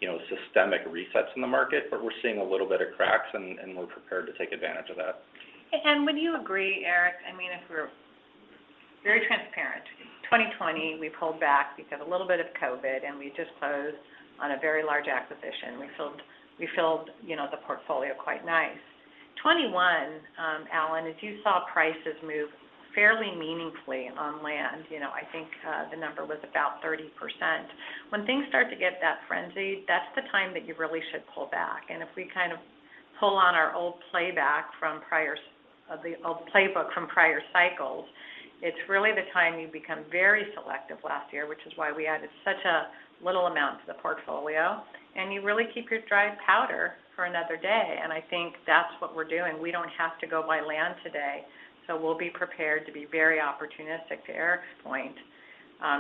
you know, systemic resets in the market, but we're seeing a little bit of cracks, and we're prepared to take advantage of that. Would you agree, Erik, I mean, if we're very transparent, 2020, we pulled back. We've had a little bit of COVID, and we just closed on a very large acquisition. We filled the portfolio quite nice. 2021, Alan, as you saw, prices move fairly meaningfully on land, you know, I think the number was about 30%. When things start to get that frenzied, that's the time that you really should pull back. If we pull on our old playbook from prior cycles, it's really the time you become very selective last year, which is why we added such a little amount to the portfolio. You really keep your dry powder for another day. I think that's what we're doing. We don't have to go buy land today, so we'll be prepared to be very opportunistic, to Erik's point,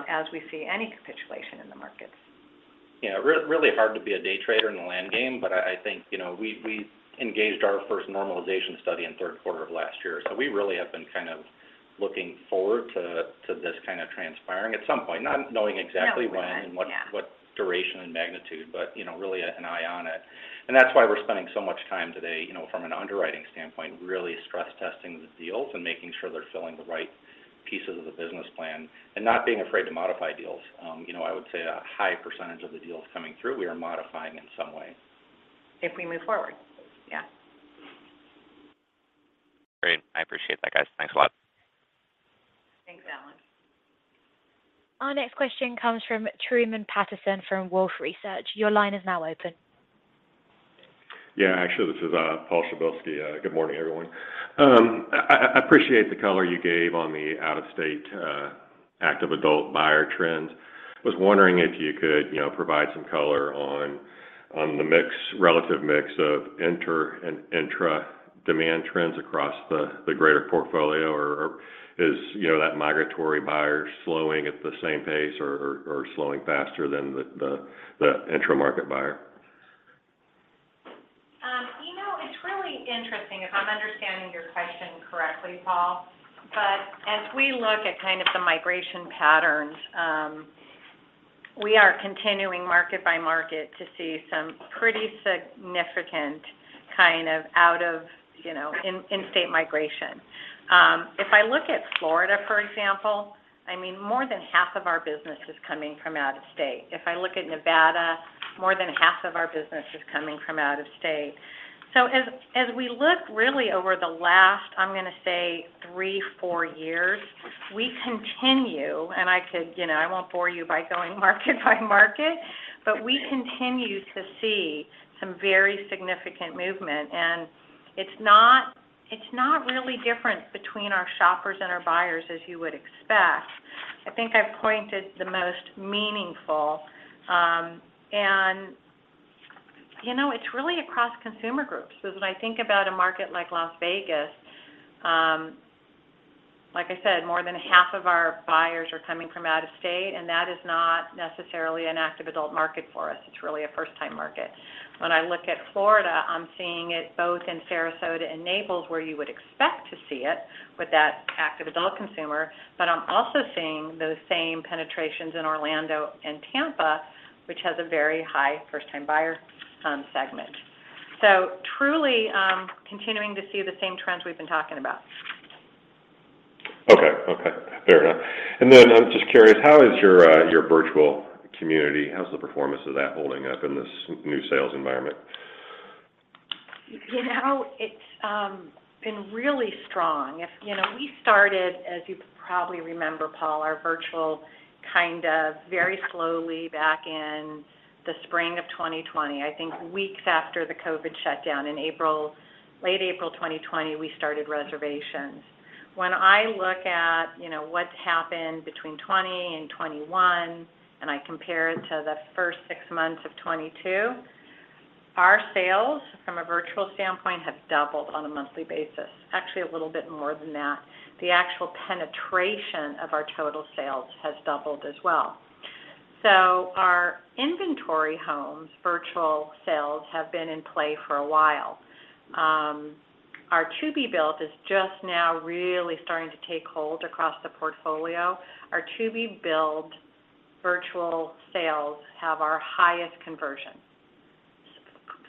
as we see any capitulation in the markets. Yeah, really hard to be a day trader in the land game, but I think, we engaged our first normalization study in third quarter of last year. We really have been kind of looking forward to this kind of transpiring at some point, not knowing exactly when. Yeah, we did. What duration and magnitude, but you know, really an eye on it. That's why we're spending so much time today, you know, from an underwriting standpoint, really stress testing the deals and making sure they're filling the right pieces of the business plan and not being afraid to modify deals. You know, I would say a high percentage of the deals coming through, we are modifying in some way. If we move forward. Yeah. Great. I appreciate that, guys. Thanks a lot. Thanks, Alan. Our next question comes from Truman Patterson from Wolfe Research. Your line is now open. Yeah. Actually, this is Paul Przybylski. Good morning, everyone. I appreciate the color you gave on the out-of-state active adult buyer trends. Was wondering if you could, you know, provide some color on the mix, relative mix of inter and intra demand trends across the greater portfolio, or, you know, is that migratory buyer slowing at the same pace or slowing faster than the intra-market buyer? You know, it's really interesting if I'm understanding your question correctly, Paul. As we look at kind of the migration patterns, we are continuing market by market to see some pretty significant kind of out-of-state migration. If I look at Florida, for example, I mean, more than half of our business is coming from out of state. If I look at Nevada, more than half of our business is coming from out of state. As we look really over the last, I'm gonna say, three, four years, we continue. You know, I won't bore you by going market by market, but we continue to see some very significant movement. It's not really different between our shoppers and our buyers, as you would expect. I think I've pointed out the most meaningful, you know, it's really across consumer groups. When I think about a market like Las Vegas, like I said, more than half of our buyers are coming from out of state, and that is not necessarily an active adult market for us. It's really a first-time market. When I look at Florida, I'm seeing it both in Sarasota and Naples, where you would expect to see it with that active adult consumer. I'm also seeing those same penetrations in Orlando and Tampa, which has a very high first-time buyer segment. Truly, continuing to see the same trends we've been talking about. Okay. Fair enough. I'm just curious, how is your virtual community? How's the performance of that holding up in this new sales environment? You know, it's been really strong. We started, as you probably remember, Paul, our virtual kind of very slowly back in the spring of 2020. I think weeks after the COVID shutdown in April, late April 2020, we started reservations. When I look at, you know, what's happened between 2020 and 2021, and I compare it to the first six months of 2022, our sales from a virtual standpoint have doubled on a monthly basis. Actually, a little bit more than that. The actual penetration of our total sales has doubled as well. Our inventory homes, virtual sales, have been in play for a while. Our to-be-built is just now really starting to take hold across the portfolio. Our to-be-built virtual sales have our highest conversion,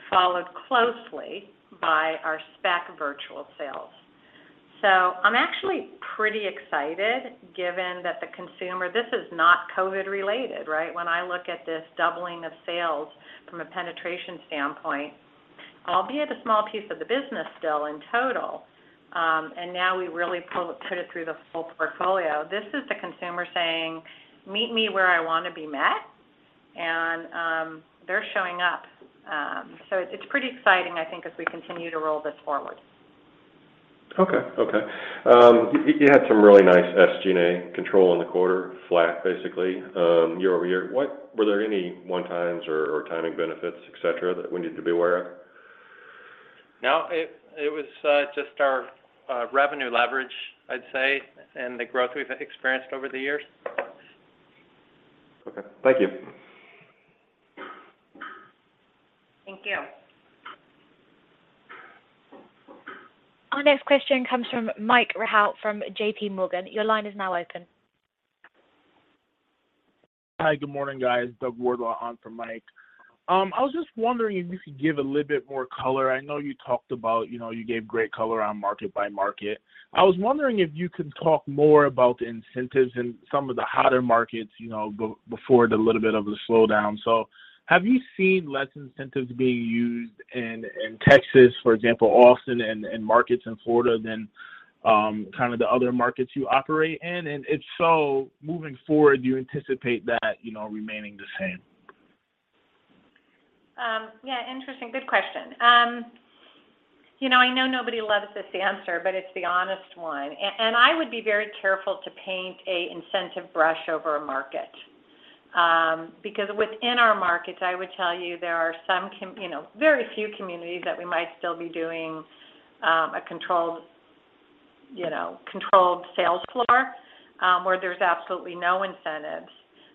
followed closely by our spec virtual sales. I'm actually pretty excited given that the consumer. This is not COVID related, right? When I look at this doubling of sales from a penetration standpoint, albeit a small piece of the business still in total, and now we really put it through the full portfolio. This is the consumer saying, "Meet me where I wanna be met," and they're showing up. It's pretty exciting, I think, as we continue to roll this forward. Okay. You had some really nice SG&A control in the quarter, flat basically, year-over-year. Were there any one-time or timing benefits, et cetera, that we need to be aware of? No. It was just our revenue leverage, I'd say, and the growth we've experienced over the years. Okay. Thank you. Thank you. Our next question comes from Mike Rehaut from JPMorgan. Your line is now open. Hi. Good morning, guys. Doug Ward on for Mike. I was just wondering if you could give a little bit more color. I know you talked about, you know, you gave great color on market by market. I was wondering if you could talk more about the incentives in some of the hotter markets, you know, before the little bit of the slowdown. Have you seen less incentives being used in Texas, for example, Austin and markets in Florida than the other markets you operate in? And if so, moving forward, do you anticipate that, you know, remaining the same? Yeah. Interesting. Good question. I know nobody loves this answer, but it's the honest one. I would be very careful to paint an incentive brush over a market, because within our markets, I would tell you there are some. You know, very few communities that we might still be doing a controlled sales floor, where there's absolutely no incentives.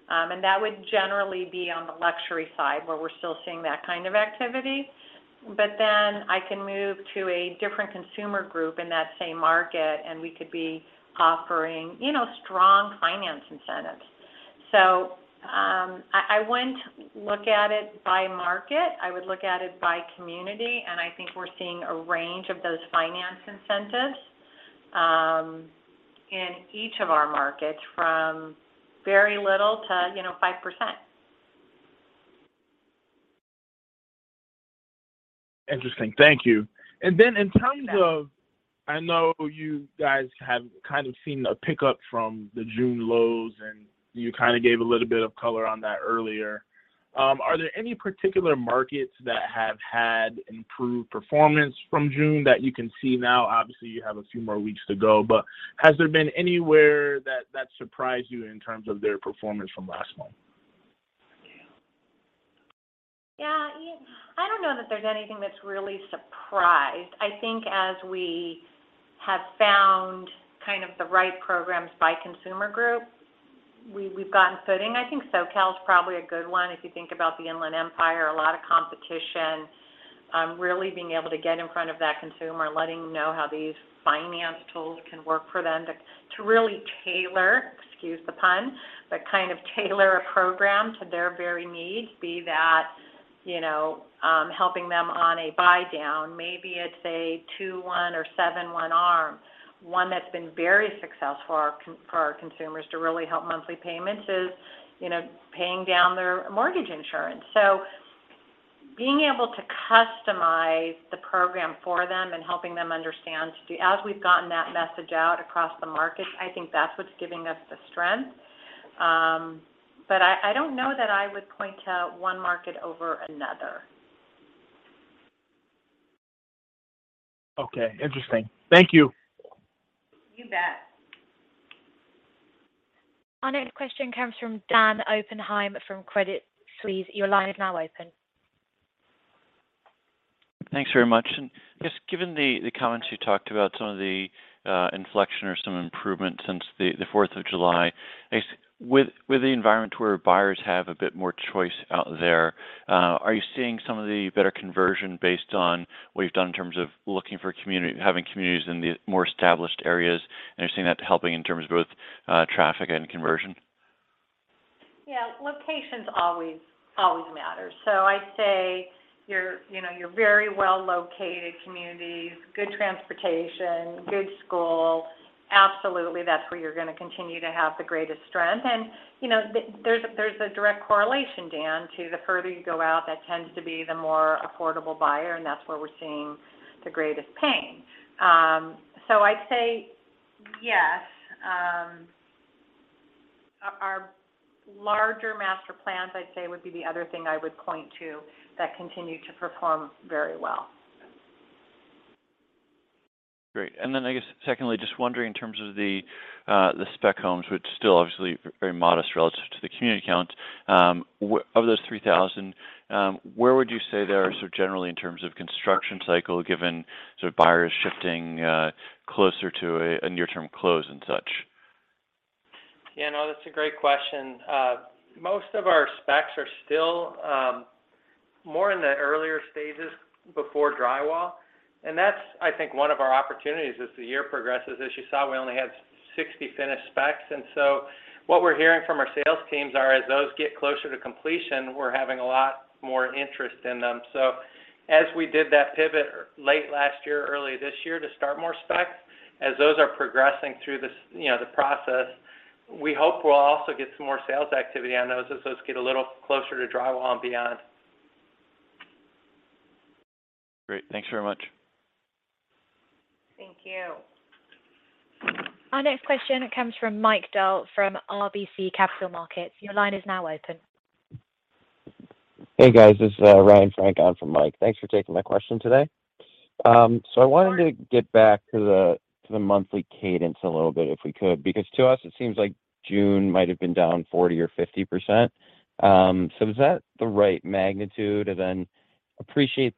That would generally be on the luxury side, where we're still seeing that kind of activity. Then I can move to a different consumer group in that same market, and we could be offering strong finance incentives. I wouldn't look at it by market. I would look at it by community, and I think we're seeing a range of those finance incentives, in each of our markets, from very little to, you know, 5%. Interesting. Thank you. In terms of, I know you guys have kind of seen a pickup from the June lows, and you kind of gave a little bit of color on that earlier. Are there any particular markets that have had improved performance from June that you can see now? Obviously, you have a few more weeks to go, but has there been anywhere that surprised you in terms of their performance from last month? Yeah. I don't know that there's anything that's really surprising. I think as we have found kind of the right programs by consumer group, we've gotten footing. I think SoCal is probably a good one if you think about the Inland Empire, a lot of competition, really being able to get in front of that consumer, letting them know how these finance tools can work for them to really tailor, excuse the pun, but kind of tailor a program to their very needs, be that, you know, helping them on a buy down. Maybe it's a 2-1 or 7-1 ARM. One that's been very successful for our consumers to really help monthly payments is, you know, paying down their mortgage insurance. Being able to customize the program for them and helping them understand to. As we've gotten that message out across the markets, I think that's what's giving us the strength. I don't know that I would point to one market over another. Okay. Interesting. Thank you. You bet. Our next question comes from Dan Oppenheim from Credit Suisse. Your line is now open. Thanks very much. Just given the comments you talked about some of the inflection or some improvement since the Fourth of July, I guess, with the environment where buyers have a bit more choice out there, are you seeing some of the better conversion based on what you've done in terms of having communities in the more established areas, and you're seeing that helping in terms of both traffic and conversion? Yeah. Locations always matter. I'd say your very well located communities, good transportation, good schools. Absolutely. That's where you're gonna continue to have the greatest strength. You know, there's a direct correlation, Dan, to the further you go out, that tends to be the more affordable buyer, and that's where we're seeing the greatest pain. I'd say yes. Our larger master plans, I'd say, would be the other thing I would point to that continue to perform very well. Great. I guess, secondly, just wondering in terms of the spec homes, which still obviously very modest relative to the community count. Of those 3,000, where would you say they are, sort of generally in terms of construction cycle, given sort of buyers shifting closer to a near-term close and such? Yeah, no, that's a great question. Most of our specs are still more in the earlier stages before drywall, and that's, I think, one of our opportunities as the year progresses. As you saw, we only had 60 finished specs, and so what we're hearing from our sales teams are, as those get closer to completion, we're having a lot more interest in them. As we did that pivot late last year, early this year to start more specs, as those are progressing through the process, we hope we'll also get some more sales activity on those as those get a little closer to drywall and beyond. Great. Thanks very much. Thank you. Our next question comes from Mike Dahl from RBC Capital Markets. Your line is now open. Hey, guys. This is Ryan Frank on for Mike. Thanks for taking my question today. I wanted to get back to the monthly cadence a little bit, if we could, because to us it seems like June might have been down 40% or 50%. Is that the right magnitude? I appreciate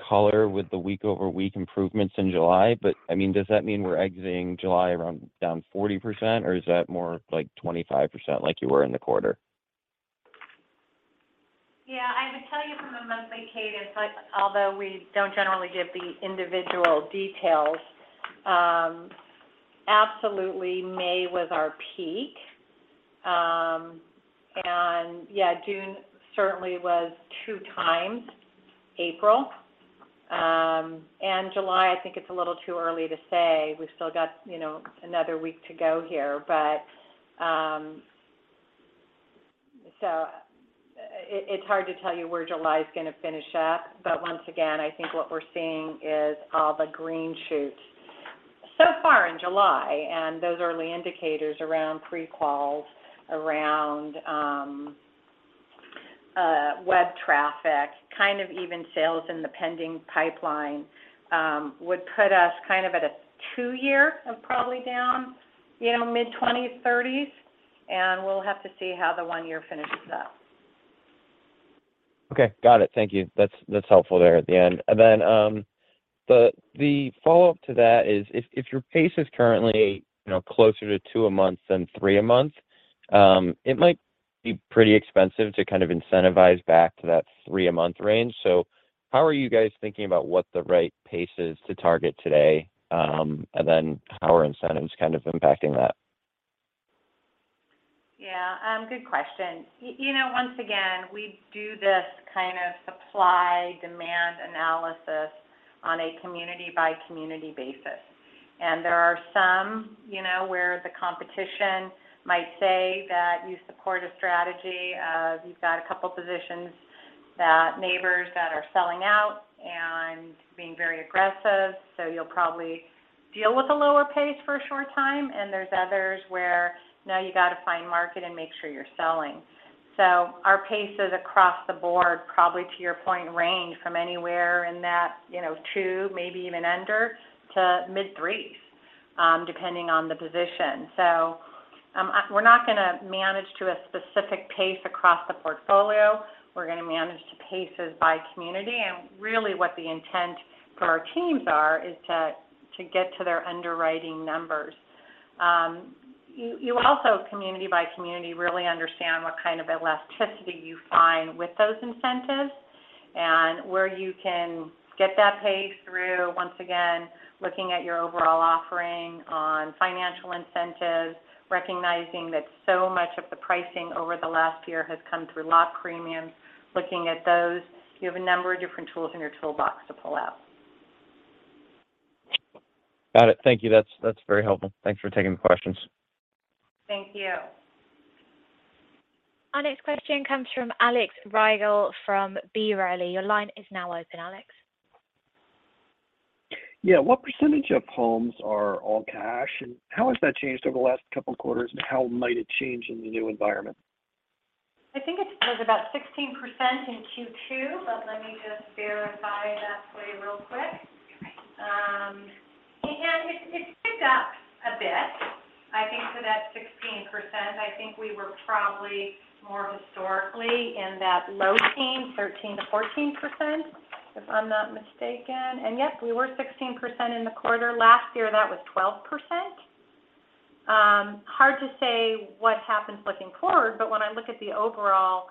the color with the week-over-week improvements in July. I mean, does that mean we're exiting July around down 40%, or is that more like 25% like you were in the quarter? Yeah. I would tell you from a monthly cadence, like, although we don't generally give the individual details, absolutely, May was our peak. Yeah, June certainly was 2 times April. July, I think it's a little too early to say. We've still got, you know, another week to go here. It's hard to tell you where July's gonna finish up. Once again, I think what we're seeing is all the green shoots so far in July, and those early indicators around pre-quals, around web traffic, kind of even sales in the pending pipeline, would put us kind of at a two-year of probably down, you know, mid-twenties, thirties, and we'll have to see how the one-year finishes up. Okay. Got it. Thank you. That's helpful there at the end. The follow-up to that is if your pace is currently, you know, closer to two a month than three a month, it might be pretty expensive to kind of incentivize back to that three a month range. How are you guys thinking about what the right pace is to target today, and then how are incentives kind of impacting that? Yeah. Good question. You know, once again, we do this kind of supply/demand analysis on a community-by-community basis. There are some, you know, where the competition might say that you support a strategy. You've got a couple positions that neighbours that are selling out and being very aggressive, so you'll probably deal with a lower pace for a short time. There's others where now you gotta find market and make sure you're selling. Our pace is across the board, probably to your point, range from anywhere in that, you know, 2, maybe even under, to mid-3s, depending on the position. We're not gonna manage to a specific pace across the portfolio. We're gonna manage to paces by community, and really, what the intent for our teams are is to get to their underwriting numbers. You also, community-by-community, really understand what kind of elasticity you find with those incentives and where you can get that pace through. Once again, looking at your overall offering on financial incentives, recognizing that so much of the pricing over the last year has come through lot premiums, looking at those. You have a number of different tools in your toolbox to pull out. Got it. Thank you. That's very helpful. Thanks for taking the questions. Thank you. Our next question comes from Alex Rygiel from B. Riley. Your line is now open, Alex. Yeah. What percentage of homes are all cash, and how has that changed over the last couple quarters, and how might it change in the new environment? I think it was about 16% in Q2, but let me just verify that for you real quick. It's picked up a bit. I think for that 16%, I think we were probably more historically in that low teens, 13%-14%, if I'm not mistaken. Yep, we were 16% in the quarter. Last year, that was 12%. Hard to say what happens looking forward, but when I look at the overall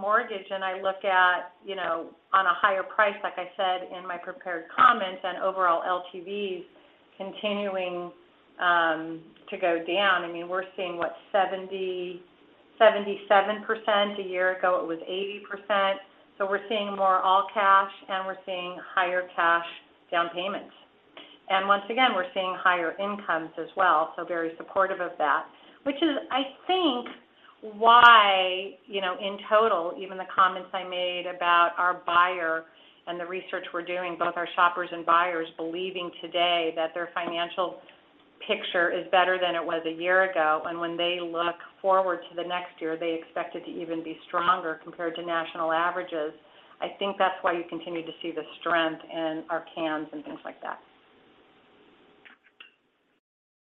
mortgage, and I look at on a higher price, like I said in my prepared comments on overall LTVs continuing to go down. I mean, we're seeing 77%. A year ago, it was 80%. So we're seeing more all-cash, and we're seeing higher cash down payments. Once again, we're seeing higher incomes as well, so very supportive of that. Which is, I think, why in total, even the comments I made about our buyer and the research we're doing, both our shoppers and buyers believing today that their financial picture is better than it was a year ago, and when they look forward to the next year they expect it to even be stronger compared to national averages. I think that's why you continue to see the strength in our cans and things like that.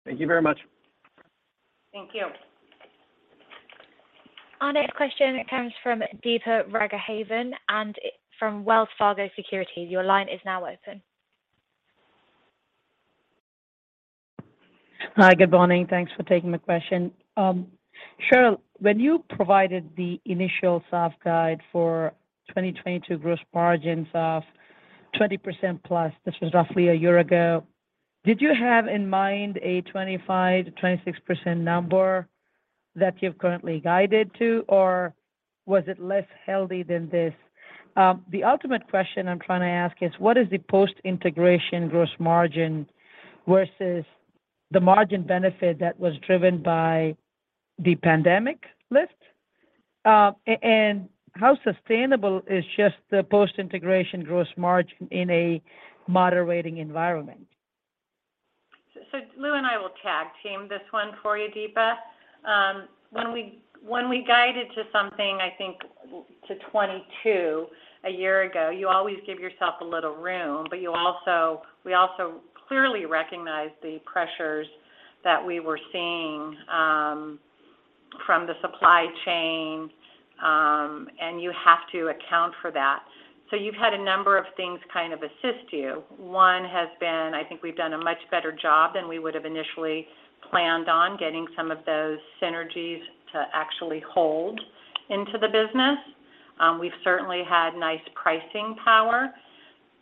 Thank you very much. Thank you. Our next question comes from Deepa Raghavan from Wells Fargo Securities. Your line is now open. Hi. Good morning. Thanks for taking my question. Sheryl, when you provided the initial soft guide for 2022 gross margins of 20%+, this was roughly a year ago, did you have in mind a 25%-26% number that you've currently guided to, or was it less healthy than this? The ultimate question I'm trying to ask is what is the post-integration gross margin versus the margin benefit that was driven by the pandemic lift? How sustainable is just the post-integration gross margin in a moderating environment? Lou and I will tag team this one for you, Deepa. When we guided to something, I think to 2022 a year ago, you always give yourself a little room, but you also, we also clearly recognize the pressures that we were seeing from the supply chain, and you have to account for that. You've had a number of things kind of assist you. One has been, I think we've done a much better job than we would have initially planned on getting some of those synergies to actually flow into the business. We've certainly had nice pricing power.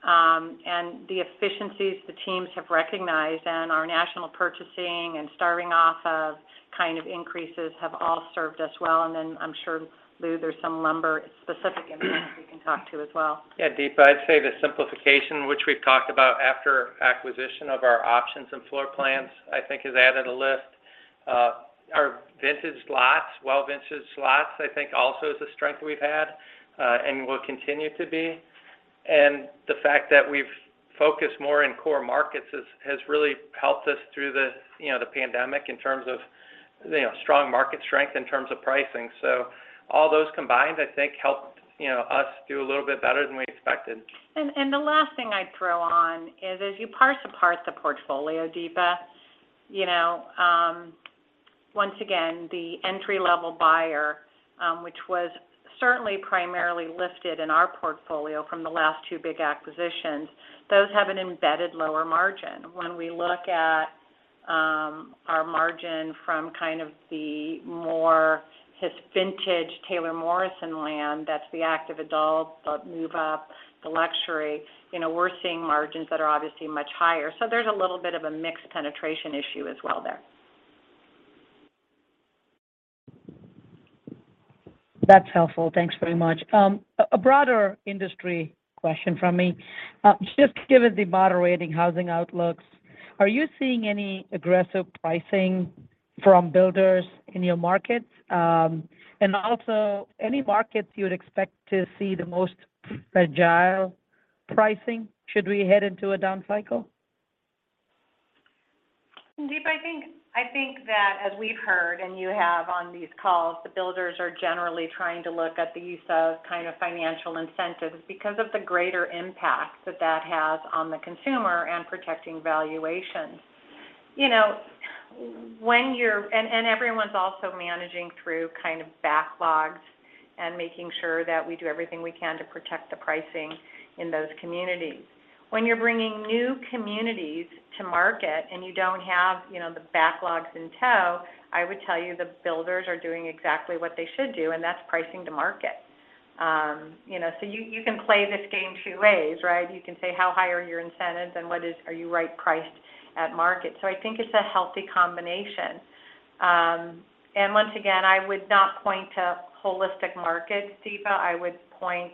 The efficiencies the teams have recognized and our national purchasing and staving off of kind of increases have all served us well. Then I'm sure, Lou, there's some lumber specific information we can talk to as well. Yeah, Deepa, I'd say the simplification, which we've talked about after acquisition of our options and floor plans, I think has added a lift. Our vintage lots, well, I think also is a strength we've had and will continue to be. The fact that we've focused more in core markets has really helped us through the, you know, the pandemic in terms of, you know, strong market strength in terms of pricing. All those combined, I think helped, you know, us do a little bit better than we expected. The last thing I'd throw on is as you parse apart the portfolio, Deepa, you know, once again, the entry-level buyer, which was certainly primarily lifted in our portfolio from the last two big acquisitions, those have an embedded lower margin. When we look at our margin from kind of the more historic vintage Taylor Morrison land, that's the active adult, the move up, the luxury, you know, we're seeing margins that are obviously much higher. There's a little bit of a mixed penetration issue as well there. That's helpful. Thanks very much. A broader industry question from me. Just given the moderating housing outlooks, are you seeing any aggressive pricing from builders in your markets? And also, any markets you would expect to see the most agile pricing, should we head into a down cycle? Deepa, I think that as we've heard and you have on these calls, the builders are generally trying to look at the use of kind of financial incentives because of the greater impact that that has on the consumer and protecting valuations. You know, everyone's also managing through kind of backlogs and making sure that we do everything we can to protect the pricing in those communities. When you're bringing new communities to market and you don't have, you know, the backlogs in tow, I would tell you the builders are doing exactly what they should do, and that's pricing to market. You know, you can play this game two ways, right? You can say how high are your incentives and are you right-priced at market. I think it's a healthy combination. Once again, I would not point to holistic markets, Deepa. I would point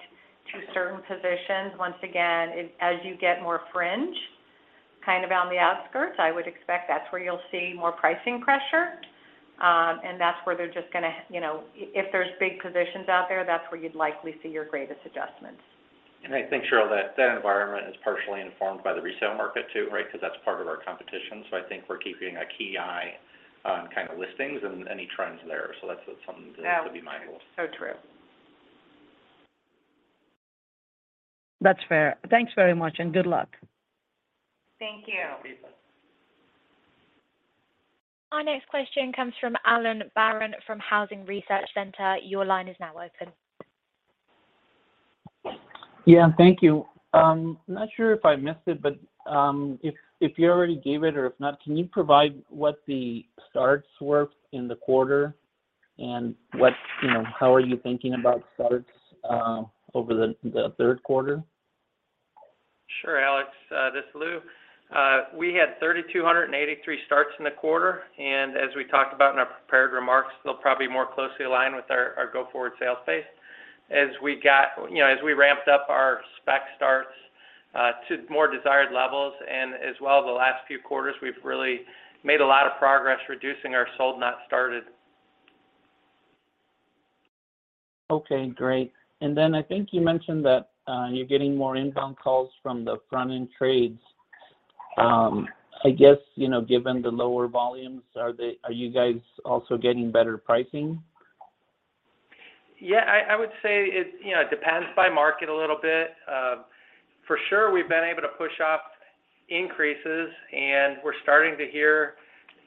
to certain positions. Once again, as you get more fringe on the outskirts, I would expect that's where you'll see more pricing pressure. That's where they're just gonna, you know. If there's big positions out there, that's where you'd likely see your greatest adjustments. I think, Sheryl, that that environment is partially informed by the resale market, too, right? Because that's part of our competition. I think we're keeping a keen eye on kind of listings and any trends there. That's something to be mindful of. True. That's fair. Thanks very much, and good luck. Thank you. Bye, Deepa. Our next question comes from Alex Barron from Housing Research Center. Your line is now open. Yeah. Thank you. I'm not sure if I missed it, but if you already gave it or if not, can you provide what the starts were in the quarter and what, you know, how are you thinking about starts over the third quarter? Sure, Alex. This is Lou. We had 3,283 starts in the quarter, and as we talked about in our prepared remarks, they'll probably more closely align with our go-forward sales pace. As we got, you know, as we ramped up our spec starts to more desired levels and as well the last few quarters, we've really made a lot of progress reducing our sold not started. Okay. Great. I think you mentioned that you're getting more inbound calls from the front-end trades. I guess, you know, given the lower volumes, are you guys also getting better pricing? Yeah. I would say it depends, by market a little bit. For sure we've been able to push off increases, and we're starting to hear,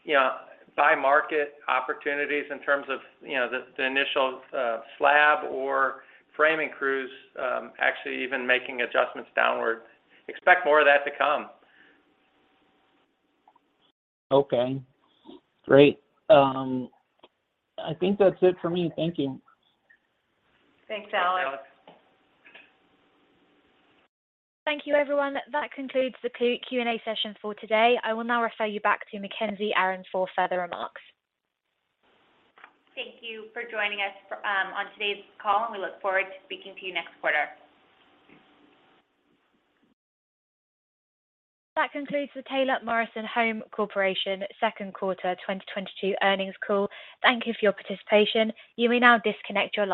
you know, by market opportunities in terms of, you know, the initial slab or framing crews actually even making adjustments downward. Expect more of that to come. Okay. Great. I think that's it for me. Thank you. Thanks, Alex. Thank you, everyone. That concludes the Q&A session for today. I will now refer you back to Mackenzie Aron for further remarks. Thank you for joining us on today's call, and we look forward to speaking to you next quarter. That concludes the Taylor Morrison Home Corporation second quarter 2022 earnings call. Thank you for your participation. You may now disconnect your lines.